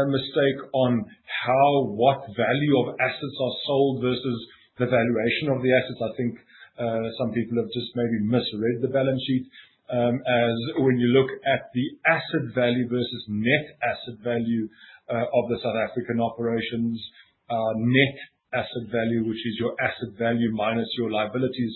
mistake on how what value of assets are sold versus the valuation of the assets. I think some people have just maybe misread the balance sheet, as when you look at the asset value versus net asset value of the South African operations, net asset value, which is your asset value minus your liabilities,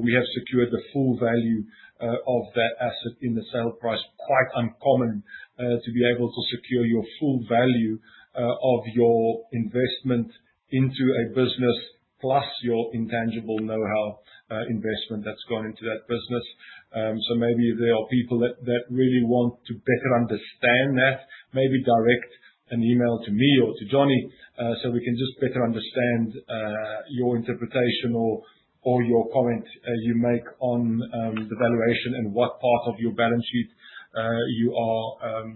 we have secured the full value of that asset in the sale price. Quite uncommon to be able to secure your full value of your investment into a business plus your intangible know-how investment that's gone into that business. Maybe there are people that really want to better understand that, maybe direct an email to me or to Johnny, so we can just better understand your interpretation or your comment you make on the valuation and what part of your balance sheet you are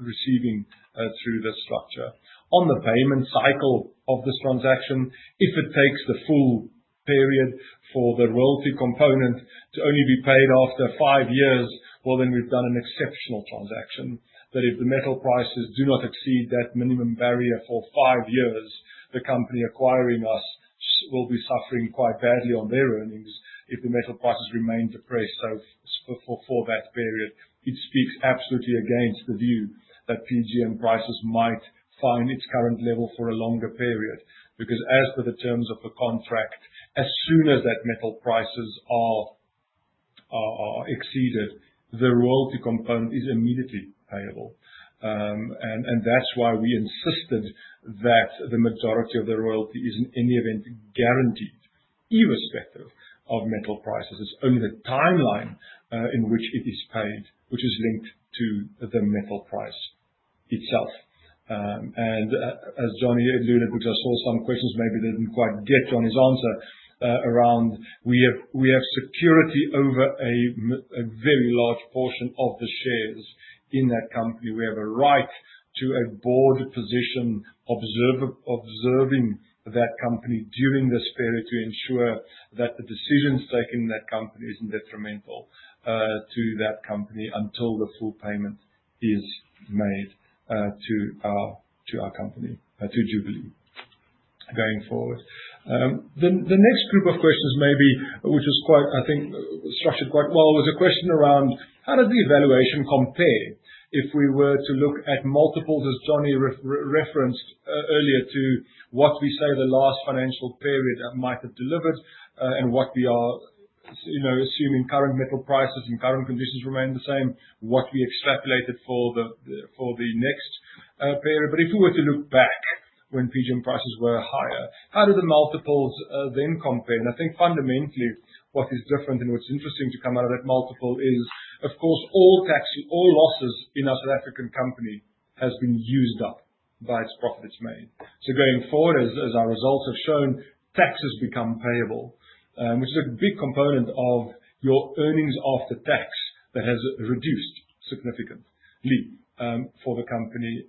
receiving through this structure. On the payment cycle of this transaction, if it takes the full period for the royalty component to only be paid after five years, well, then we've done an exceptional transaction. But if the metal prices do not exceed that minimum barrier for five years, the company acquiring us will be suffering quite badly on their earnings if the metal prices remain depressed. For that period, it speaks absolutely against the view that PGM prices might find its current level for a longer period. Because as per the terms of the contract, as soon as that metal prices are exceeded, the royalty component is immediately payable. That's why we insisted that the majority of the royalty is in any event guaranteed irrespective of metal prices. It's only the timeline in which it is paid, which is linked to the metal price itself. Johnny, because I saw some questions maybe they didn't quite get Johnny's answer around we have security over a very large portion of the shares in that company. We have a right to a board position observer observing that company during this period to ensure that the decisions taken in that company isn't detrimental to that company until the full payment is made to our company to Jubilee going forward. The next group of questions maybe which is quite, I think, structured quite well, was a question around how did the evaluation compare if we were to look at multiples as Johnny referenced earlier to what we saw the last financial period might have delivered, and what we are, you know, assuming current metal prices and current conditions remain the same, what we extrapolated for the next period. If we were to look back when PGM prices were higher, how do the multiples then compare? I think fundamentally what is different and what's interesting to come out of that multiple is, of course, all the tax losses in our South African company have been used up by its profits made. Going forward, as our results have shown, taxes become payable, which is a big component of your earnings after tax that has reduced significantly, for the company.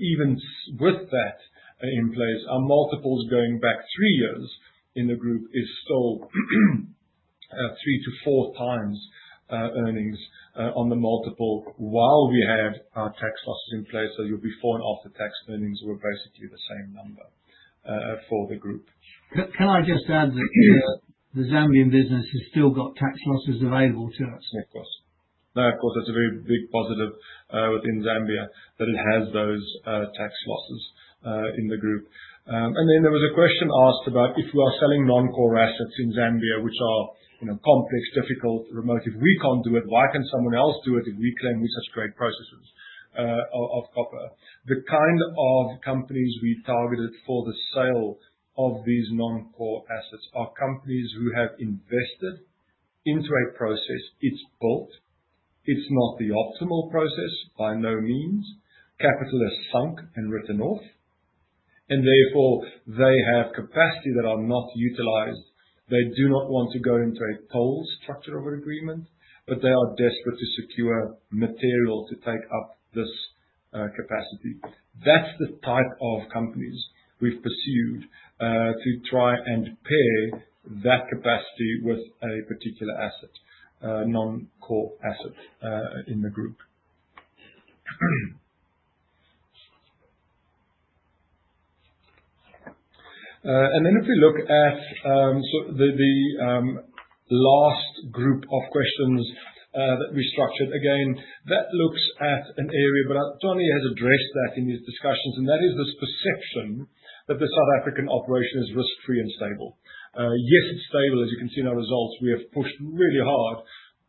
Even with that in place, our multiples going back three years in the group is still 3x-4x earnings on the multiple while we have our tax losses in place. Your before and after-tax earnings were basically the same number for the group. Can I just add that the Zambian business has still got tax losses available to us? Yeah, of course. That of course is a very big positive within Zambia, that it has those tax losses in the group. There was a question asked about if we are selling non-core assets in Zambia, which are, you know, complex, difficult, remote. If we can't do it, why can someone else do it if we claim we're such great processors of copper? The kind of companies we targeted for the sale of these non-core assets are companies who have invested into a process. It's built. It's not the optimal process by no means. Capital has sunk and written off. Therefore, they have capacity that are not utilized. They do not want to go into a toll structure of agreement, but they are desperate to secure material to take up this capacity. That's the type of companies we've pursued to try and pair that capacity with a particular asset, non-core asset, in the group. Then if we look at the last group of questions that we structured. Again, that looks at an area, but Johnny has addressed that in his discussions, and that is this perception that the South African operation is risk-free and stable. Yes, it's stable. As you can see in our results, we have pushed really hard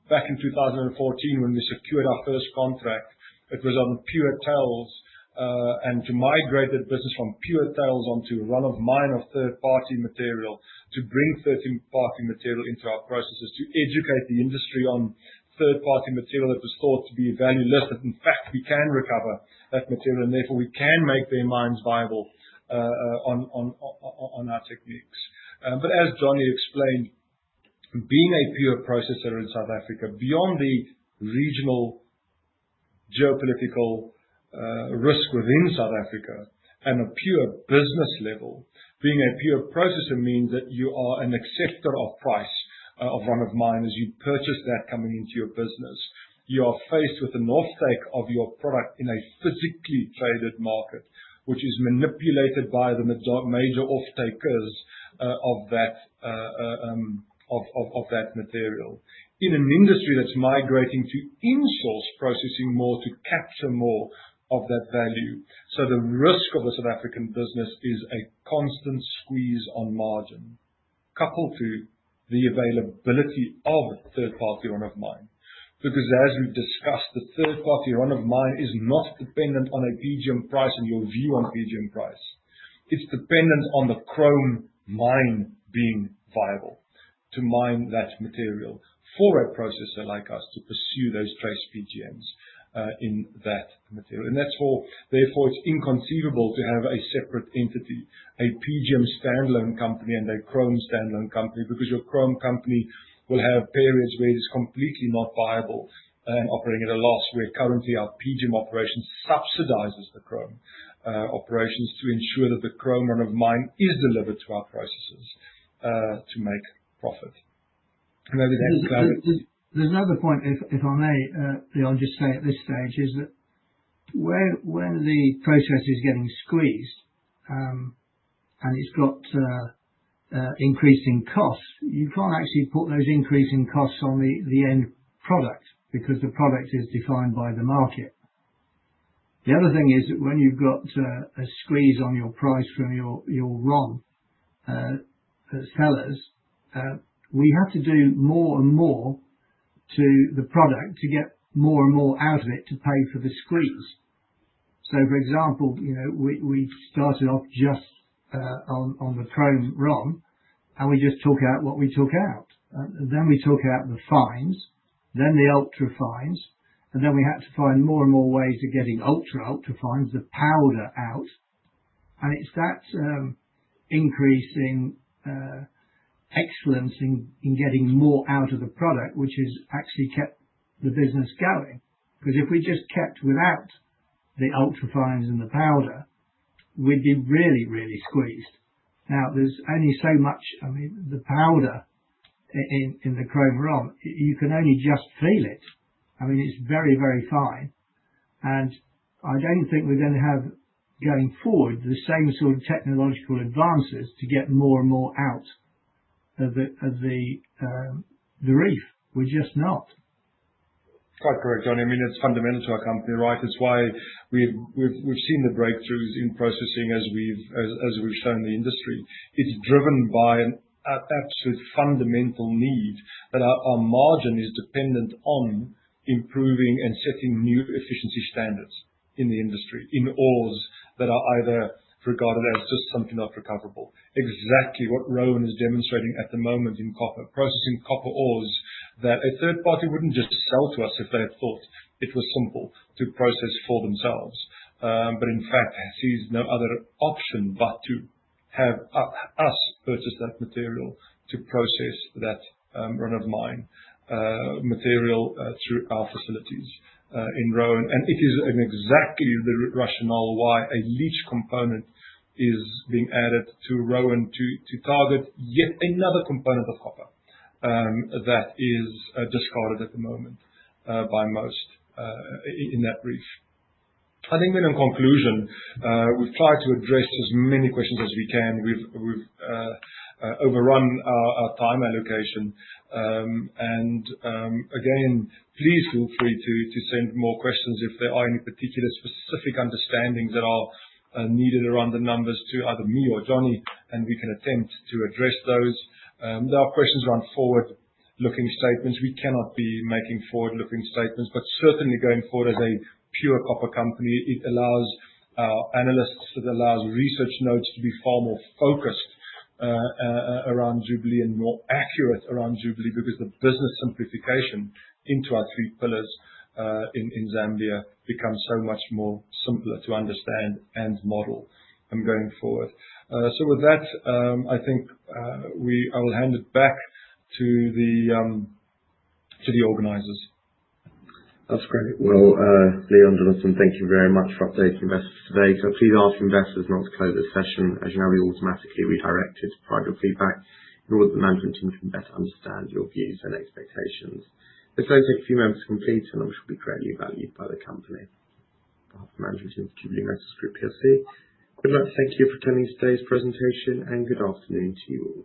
back in 2014 when we secured our first contract. It was on pure tails, and to migrate that business from pure tails onto run-of-mine of third-party material, to bring third-party material into our processes. To educate the industry on third-party material that was thought to be value-less, but in fact, we can recover that material, and therefore we can make their mines viable on our techniques. As Johnny explained, being a pure processor in South Africa, beyond the regional geopolitical risk within South Africa at a pure business level, being a pure processor means that you are an acceptor of price of run-of-mine as you purchase that coming into your business. You are faced with an offtake of your product in a physically traded market, which is manipulated by the major offtakers of that material. In an industry that's migrating to in-source processing more to capture more of that value. The risk of a South African business is a constant squeeze on margin, coupled to the availability of third-party run-of-mine. Because as we've discussed, the third party run-of-mine is not dependent on a PGM price and your view on PGM price. It's dependent on the chrome mine being viable to mine that material for a processor like us to pursue those trace PGMs in that material. That's all. Therefore, it's inconceivable to have a separate entity, a PGM standalone company and a chrome standalone company, because your chrome company will have periods where it is completely not viable and operating at a loss, where currently our PGM operation subsidizes the chrome operations to ensure that the chrome run-of-mine is delivered to our processes to make profit. Over to that- There's another point if I may, Leon, just say at this stage, is that when the process is getting squeezed, and it's got increasing costs, you can't actually put those increasing costs on the end product because the product is defined by the market. The other thing is that when you've got a squeeze on your price from your ROM sellers, we have to do more and more to the product to get more and more out of it to pay for the squeeze. For example, you know, we started off just on the chrome ROM, and we just took out what we took out. We took out the fines, then the ultra fines, and then we had to find more and more ways of getting ultra fines, the powder out. It's that increasing excellence in getting more out of the product which has actually kept the business going. Because if we just kept without the ultra fines and the powder, we'd be really squeezed. Now, there's only so much. I mean, the powder in the chrome ROM, you can only just feel it. I mean, it's very fine. I don't think we're gonna have, going forward, the same sort of technological advances to get more and more out of the reef. We're just not. Quite correct, Johnny. I mean, it's fundamental to our company, right? It's why we've seen the breakthroughs in processing as we've shown the industry. It's driven by an absolute fundamental need that our margin is dependent on improving and setting new efficiency standards in the industry, in ores that are either regarded as just something not recoverable. Exactly what Rowan is demonstrating at the moment in copper. Processing copper ores that a third party wouldn't just sell to us if they had thought it was simple to process for themselves, in fact sees no other option but to have us purchase that material to process that run-of-mine material through our facilities in Rowan. It is exactly the rationale why a leach component is being added to Rowan to target yet another component of copper that is discarded at the moment by most in that brief. I think in conclusion, we've tried to address as many questions as we can. We've overrun our time allocation. Again, please feel free to send more questions if there are any particular specific understandings that are needed around the numbers to either me or Johnny, and we can attempt to address those. There are questions around forward-looking statements. We cannot be making forward-looking statements, but certainly going forward as a pure copper company, it allows our analysts, it allows research notes to be far more focused around Jubilee and more accurate around Jubilee because the business simplification into our three pillars in Zambia becomes so much more simpler to understand and model going forward. With that, I think I will hand it back to the organizers. That's great. Well, Leon, Jonathan, thank you very much for updating investors today. Please ask investors not to close this session as you know, you're automatically redirected to provide your feedback in order for the management team to better understand your views and expectations. This does take a few moments to complete and it will be greatly valued by the company. On behalf of the management team of Jubilee Metals Group PLC, we'd like to thank you for attending today's presentation and good afternoon to you all.